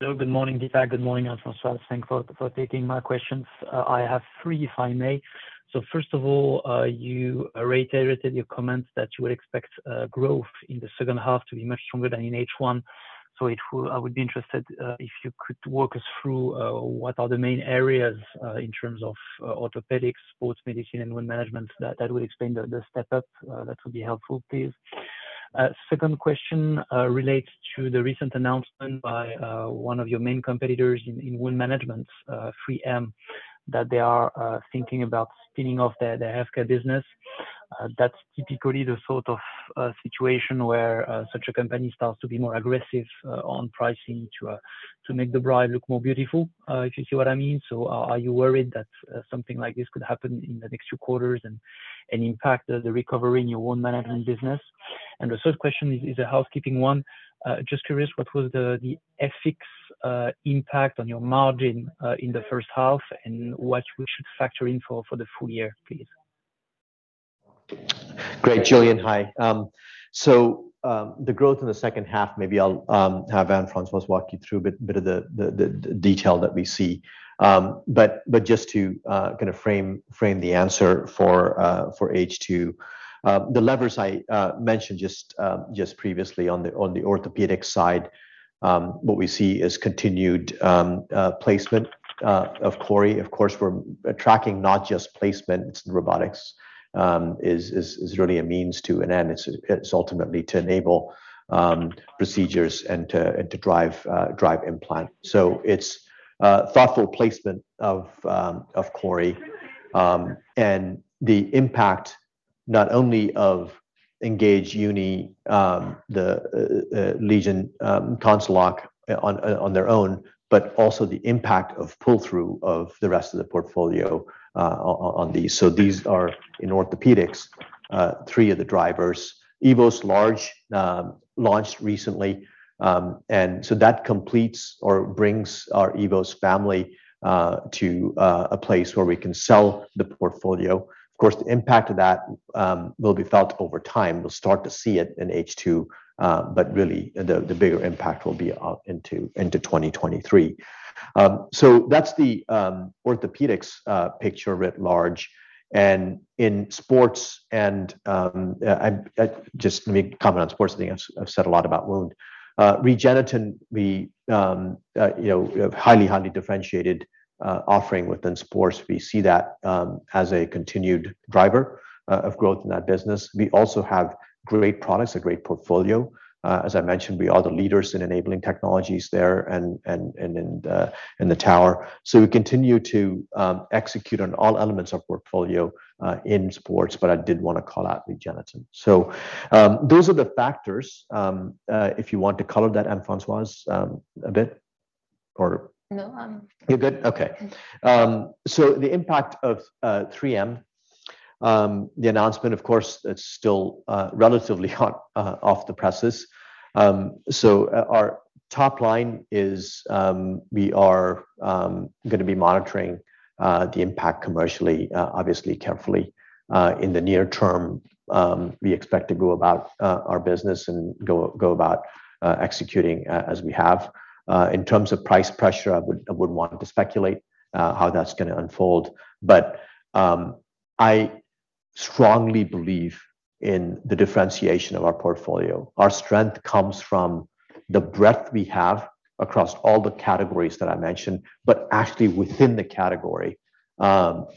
Hello. Good morning, Deepak. Good morning, Anne-Françoise. Thanks for taking my questions. I have three, if I may. First of all, you reiterated your comments that you would expect growth in the second half to be much stronger than in H1. I would be interested if you could walk us through what are the main areas in terms of Orthopaedics, Sports Medicine, and Wound Management that would explain the step-up. That would be helpful, please. Second question relates to the recent announcement by one of your main competitors in Wound Management, 3M, that they are thinking about spinning off their healthcare business. That's typically the sort of situation where such a company starts to be more aggressive on pricing to make the bride look more beautiful, if you see what I mean. Are you worried that something like this could happen in the next few quarters and impact the recovery in your Wound Management business? The third question is a housekeeping one. Just curious, what was the FX impact on your margin in the first half, and what we should factor in for the full year, please? Great. Julien, hi. The growth in the second half, maybe I'll have Anne-Françoise walk you through a bit of the detail that we see. Just to kind of frame the answer for H2, the levers I mentioned just previously on the Orthopaedics side, what we see is continued placement of CORI. Of course, we're tracking not just placement. It's robotics is really a means to an end. It's ultimately to enable procedures and to drive implant. It's thoughtful placement of CORI and the impact not only of ENGAGE, the LEGION CONCELOC on their own, but also the impact of pull-through of the rest of the portfolio on these. These are, in Orthopaedics, three of the drivers. EVOS Large launched recently, and so that completes or brings our EVOS family to a place where we can sell the portfolio. Of course, the impact of that will be felt over time. We'll start to see it in H2, but really the bigger impact will be out into 2023. That's the Orthopaedics picture writ large. In Sports, just let me comment on Sports. I think I've said a lot about Wound. REGENETEN, you know, we have highly differentiated offering within Sports. We see that as a continued driver of growth in that business. We also have great products, a great portfolio. As I mentioned, we are the leaders in enabling technologies there and in the tower. We continue to execute on all elements of portfolio in Sports, but I did wanna call out REGENETEN. Those are the factors. If you want to color that Anne-Françoise a bit or- No, I'm You're good? Okay. The impact of 3M, the announcement, of course, it's still relatively hot off the presses. Our top line is we are gonna be monitoring the impact commercially, obviously, carefully. In the near term, we expect to go about our business and go about executing as we have. In terms of price pressure, I wouldn't want to speculate how that's gonna unfold. I strongly believe in the differentiation of our portfolio. Our strength comes from the breadth we have across all the categories that I mentioned, but actually within the category,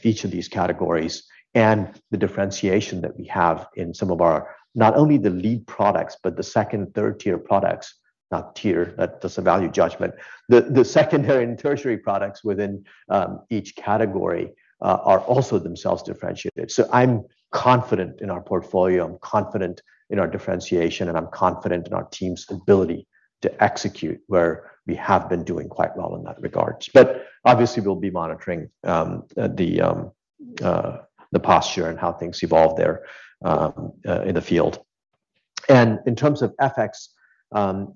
each of these categories, and the differentiation that we have in some of our not only the lead products, but the second, third-tier products. Not tier, that's a value judgment. The secondary and tertiary products within each category are also themselves differentiated. I'm confident in our portfolio, I'm confident in our differentiation, and I'm confident in our team's ability to execute where we have been doing quite well in that regards. Obviously, we'll be monitoring the posture and how things evolve there in the field. In terms of FX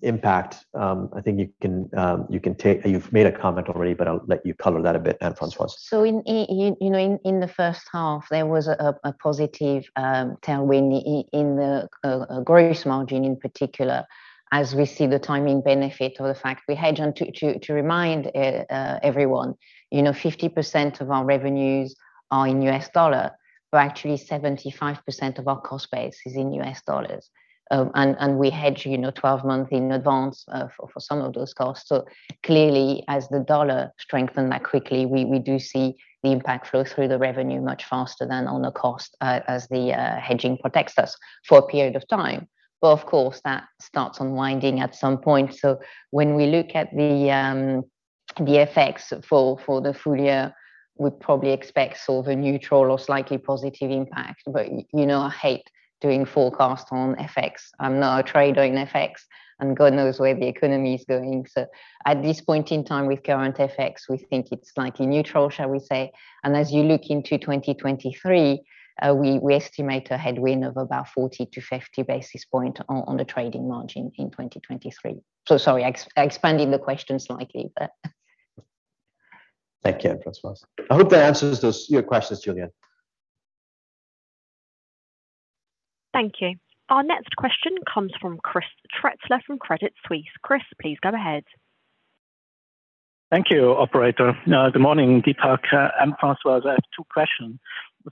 impact, I think you can take. You've made a comment already, but I'll let you color that a bit, Anne-Françoise. In the first half, there was a positive tailwind in the gross margin in particular as we see the timing benefit or the fact we hedge. To remind everyone, you know 50% of our revenues are in U.S. dollar, but actually 75% of our cost base is in U.S. dollars. We hedge, you know, 12 months in advance for some of those costs. Clearly as the U.S. dollar strengthened that quickly, we do see the impact flow through the revenue much faster than on the cost as the hedging protects us for a period of time. Of course, that starts unwinding at some point. When we look at the effects for the full year, we probably expect sort of a neutral or slightly positive impact. You know, I hate doing forecast on FX. I'm not a trader in FX, and God knows where the economy is going. At this point in time with current FX, we think it's slightly neutral, shall we say. As you look into 2023, we estimate a headwind of about 40 basis point-50 basis point on the trading margin in 2023. Sorry, expanding the question slightly, but. Thank you, Anne-Françoise. I hope that answers those, your questions, Julien. Thank you. Our next question comes from Chris Gretler from Credit Suisse. Chris, please go ahead. Thank you, operator. Good morning, Deepak and Françoise. I have two questions.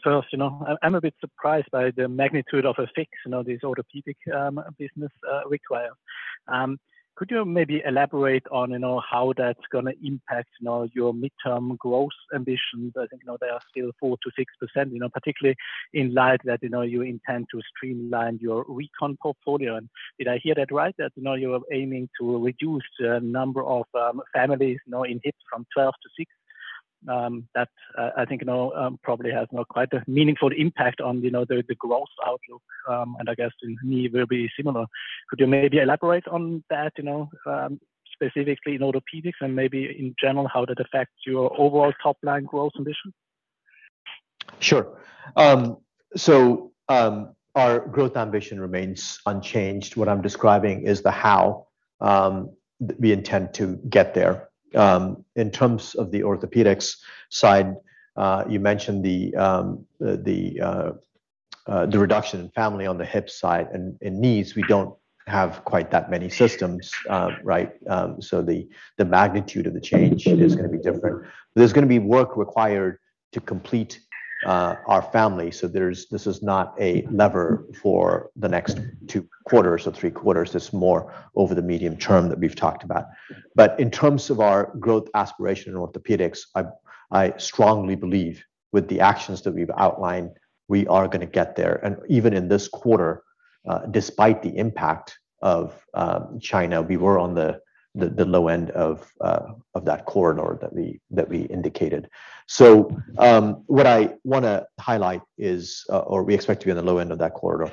First, you know, I'm a bit surprised by the magnitude of the fix this Orthopaedics business requires. Could you maybe elaborate on, you know, how that's gonna impact, you know, your mid-term growth ambitions? I think, you know, they are still 4%-6%, you know, particularly in light of that, you know, you intend to streamline your recon portfolio. Did I hear that right, that, you know, you're aiming to reduce the number of, you know, families, you know, in hips from 12-6? That, I think, you know, probably has, you know, quite a meaningful impact on, you know, the growth outlook, and I guess the knee will be similar. Could you maybe elaborate on that, you know, specifically in Orthopaedics and maybe in general, how that affects your overall top line growth ambition? Sure. Our growth ambition remains unchanged. What I'm describing is the how we intend to get there. In terms of the Orthopaedics side, you mentioned the reduction in family on the hip side and knees, we don't have quite that many systems, right? The magnitude of the change is gonna be different. There's gonna be work required to complete our family. This is not a lever for the next two quarters or three quarters. It's more over the medium term that we've talked about. In terms of our growth aspiration in Orthopaedics, I strongly believe with the actions that we've outlined, we are gonna get there. Even in this quarter, despite the impact of China, we were on the low end of that corridor that we indicated. We expect to be on the low end of that corridor.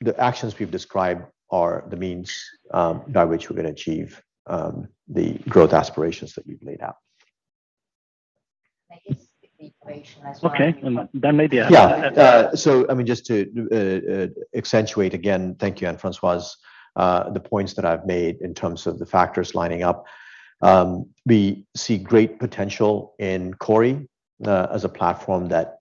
The actions we've described are the means by which we're gonna achieve the growth aspirations that we've laid out. I guess the equation as well. Okay. Yeah. So I mean, just to accentuate again, thank you, Anne-Françoise, the points that I've made in terms of the factors lining up. We see great potential in CORI as a platform that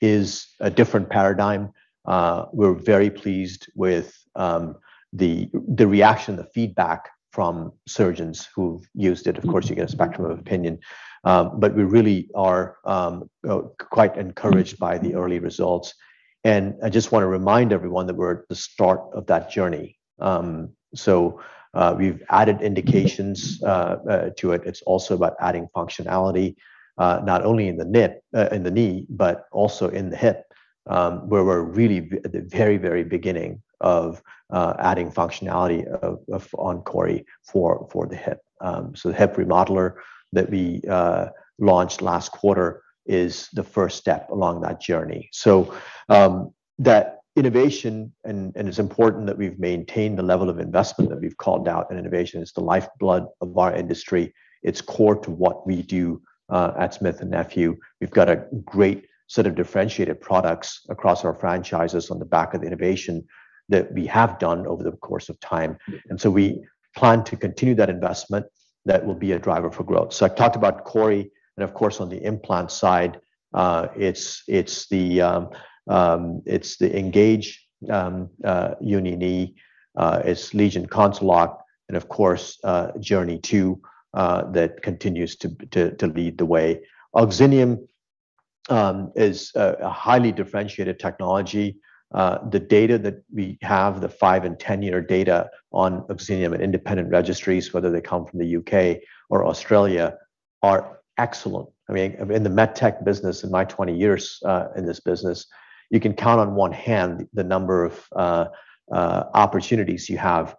is a different paradigm. We're very pleased with the reaction, the feedback from surgeons who've used it. Of course, you get a spectrum of opinion. But we really are quite encouraged by the early results. I just wanna remind everyone that we're at the start of that journey. We've added indications to it. It's also about adding functionality, not only in the knee, but also in the hip, where we're really at the very, very beginning of adding functionality on CORI for the hip. The hip remodeler that we launched last quarter is the first step along that journey. That innovation and it's important that we've maintained the level of investment that we've called out, and innovation is the lifeblood of our industry. It's core to what we do at Smith & Nephew. We've got a great set of differentiated products across our franchises on the back of the innovation that we have done over the course of time. We plan to continue that investment. That will be a driver for growth. I've talked about CORI, and of course, on the implant side, it's the ENGAGE Uni Knee, it's LEGION CONCELOC, and of course, JOURNEY II that continues to lead the way. OXINIUM is a highly differentiated technology. The data that we have, the five- and 10-year data on OXINIUM and independent registries, whether they come from the U.K. or Australia, are excellent. I mean, in the med tech business, in my 20 years in this business, you can count on one hand the number of opportunities you have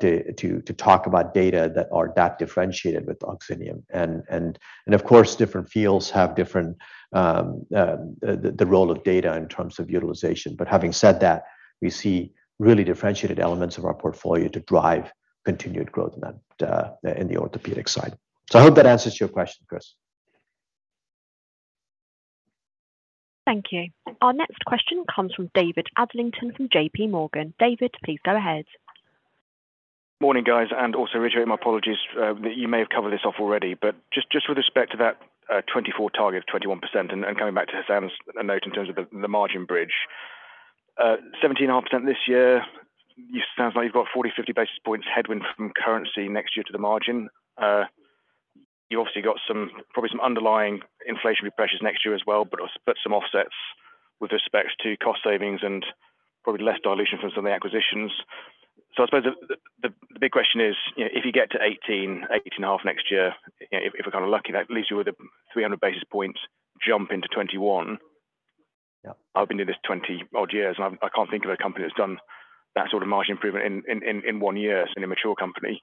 to talk about data that are that differentiated with OXINIUM. Of course, different fields have different, the role of data in terms of utilization. But having said that, we see really differentiated elements of our portfolio to drive continued growth in that, in the Orthopaedic side. I hope that answers your question, Chris. Thank you. Our next question comes from David Adlington from JPMorgan. David, please go ahead. Morning, guys, and also Richard, my apologies, that you may have covered this off already. Just with respect to that, 2024 target of 21% and coming back to Hassan's note in terms of the margin bridge. 17.5% this year. It sounds like you've got 40 basis points-50 basis points headwind from currency next year to the margin. You obviously got some probably some underlying inflationary pressures next year as well, but some offsets with respect to cost savings and probably less dilution from some of the acquisitions. I suppose the big question is, you know, if you get to 18-18.5 next year, if we're kind of lucky, that leaves you with a 300 basis points jump into 2021. I've been doing this 20-odd years, and I can't think of a company that's done that sort of margin improvement in one year in a mature company.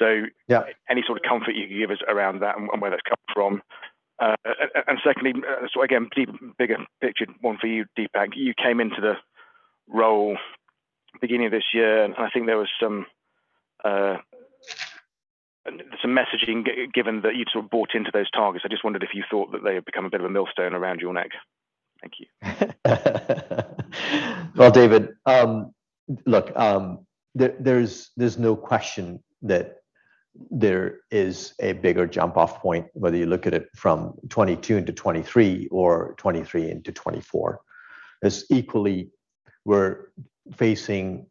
Any sort of comfort you can give us around that and where that's coming from. And secondly, so again, bigger picture one for you, Deepak. You came into the role beginning of this year, and I think there was some some messaging given that you'd sort of bought into those targets. I just wondered if you thought that they have become a bit of a millstone around your neck. Thank you. Well, David, look, there's no question that there is a bigger jump-off point, whether you look at it from 2022 into 2023 or 2023 into 2024. As equally we're facing,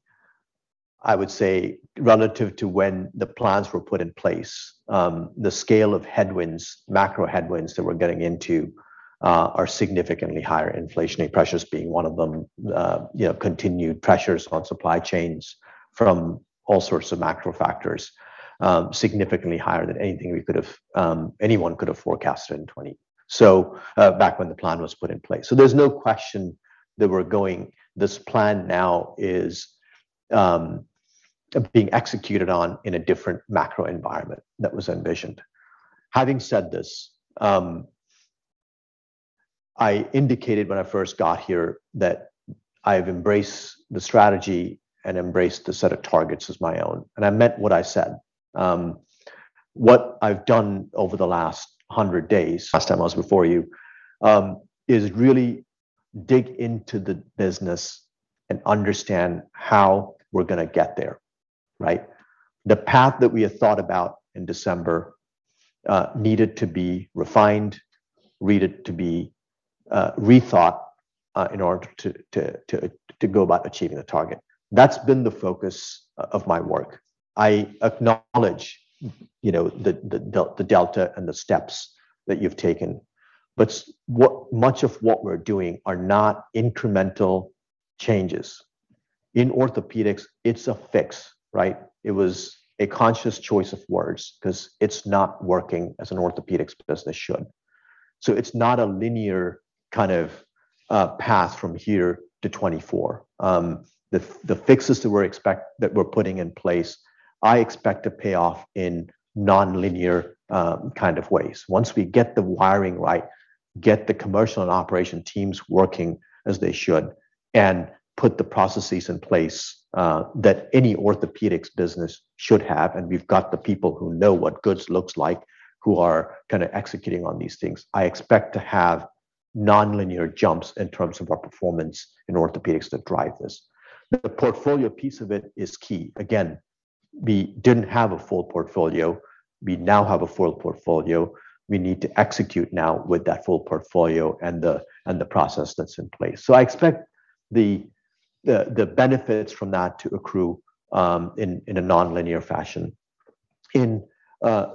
I would say, relative to when the plans were put in place, the scale of headwinds, macro headwinds that we're getting into, are significantly higher. Inflationary pressures being one of them. You know, continued pressures on supply chains from all sorts of macro factors, significantly higher than anything we could have, anyone could have forecasted in 2020. Back when the plan was put in place. This plan now is being executed on in a different macro environment that was envisioned. Having said this, I indicated when I first got here that I've embraced the strategy and embraced the set of targets as my own, and I meant what I said. What I've done over the last 100 days, last time I was before you, is really dig into the business and understand how we're gonna get there, right? The path that we had thought about in December needed to be refined, rethought in order to go about achieving the target. That's been the focus of my work. I acknowledge, you know, the delta and the steps that you've taken, but much of what we're doing are not incremental changes. In Orthopaedics, it's a fix, right? It was a conscious choice of words 'cause it's not working as an Orthopaedics business should. It's not a linear kind of path from here to 2024. The fixes that we're putting in place, I expect to pay off in non-linear kind of ways. Once we get the wiring right, get the commercial and operations teams working as they should and put the processes in place that any Orthopaedics business should have, and we've got the people who know what good looks like, who are kinda executing on these things. I expect to have non-linear jumps in terms of our performance in Orthopaedics that drive this. The portfolio piece of it is key. Again, we didn't have a full portfolio. We now have a full portfolio. We need to execute now with that full portfolio and the process that's in place. I expect the benefits from that to accrue in a non-linear fashion. In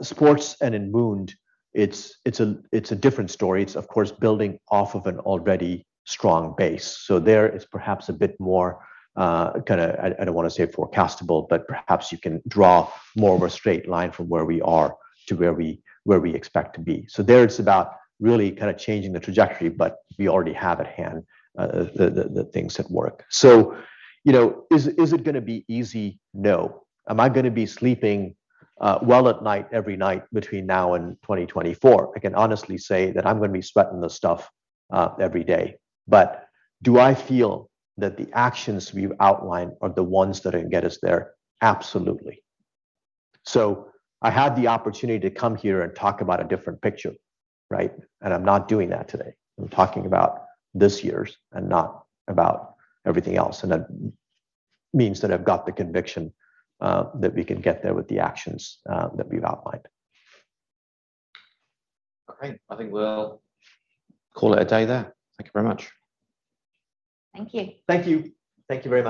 Sports and in Wound, it's a different story. It's of course building off of an already strong base. There is perhaps a bit more kinda I don't wanna say forecastable, but perhaps you can draw more of a straight line from where we are to where we expect to be. There it's about really kind of changing the trajectory, but we already have at hand the things that work. You know, is it gonna be easy? No. Am I gonna be sleeping well at night every night between now and 2024? I can honestly say that I'm gonna be sweating this stuff every day. Do I feel that the actions we've outlined are the ones that are gonna get us there? Absolutely. I had the opportunity to come here and talk about a different picture, right? I'm not doing that today. I'm talking about this year's and not about everything else. That means that I've got the conviction, that we can get there with the actions, that we've outlined. Okay. I think we'll call it a day there. Thank you very much. Thank you. Thank you. Thank you very much.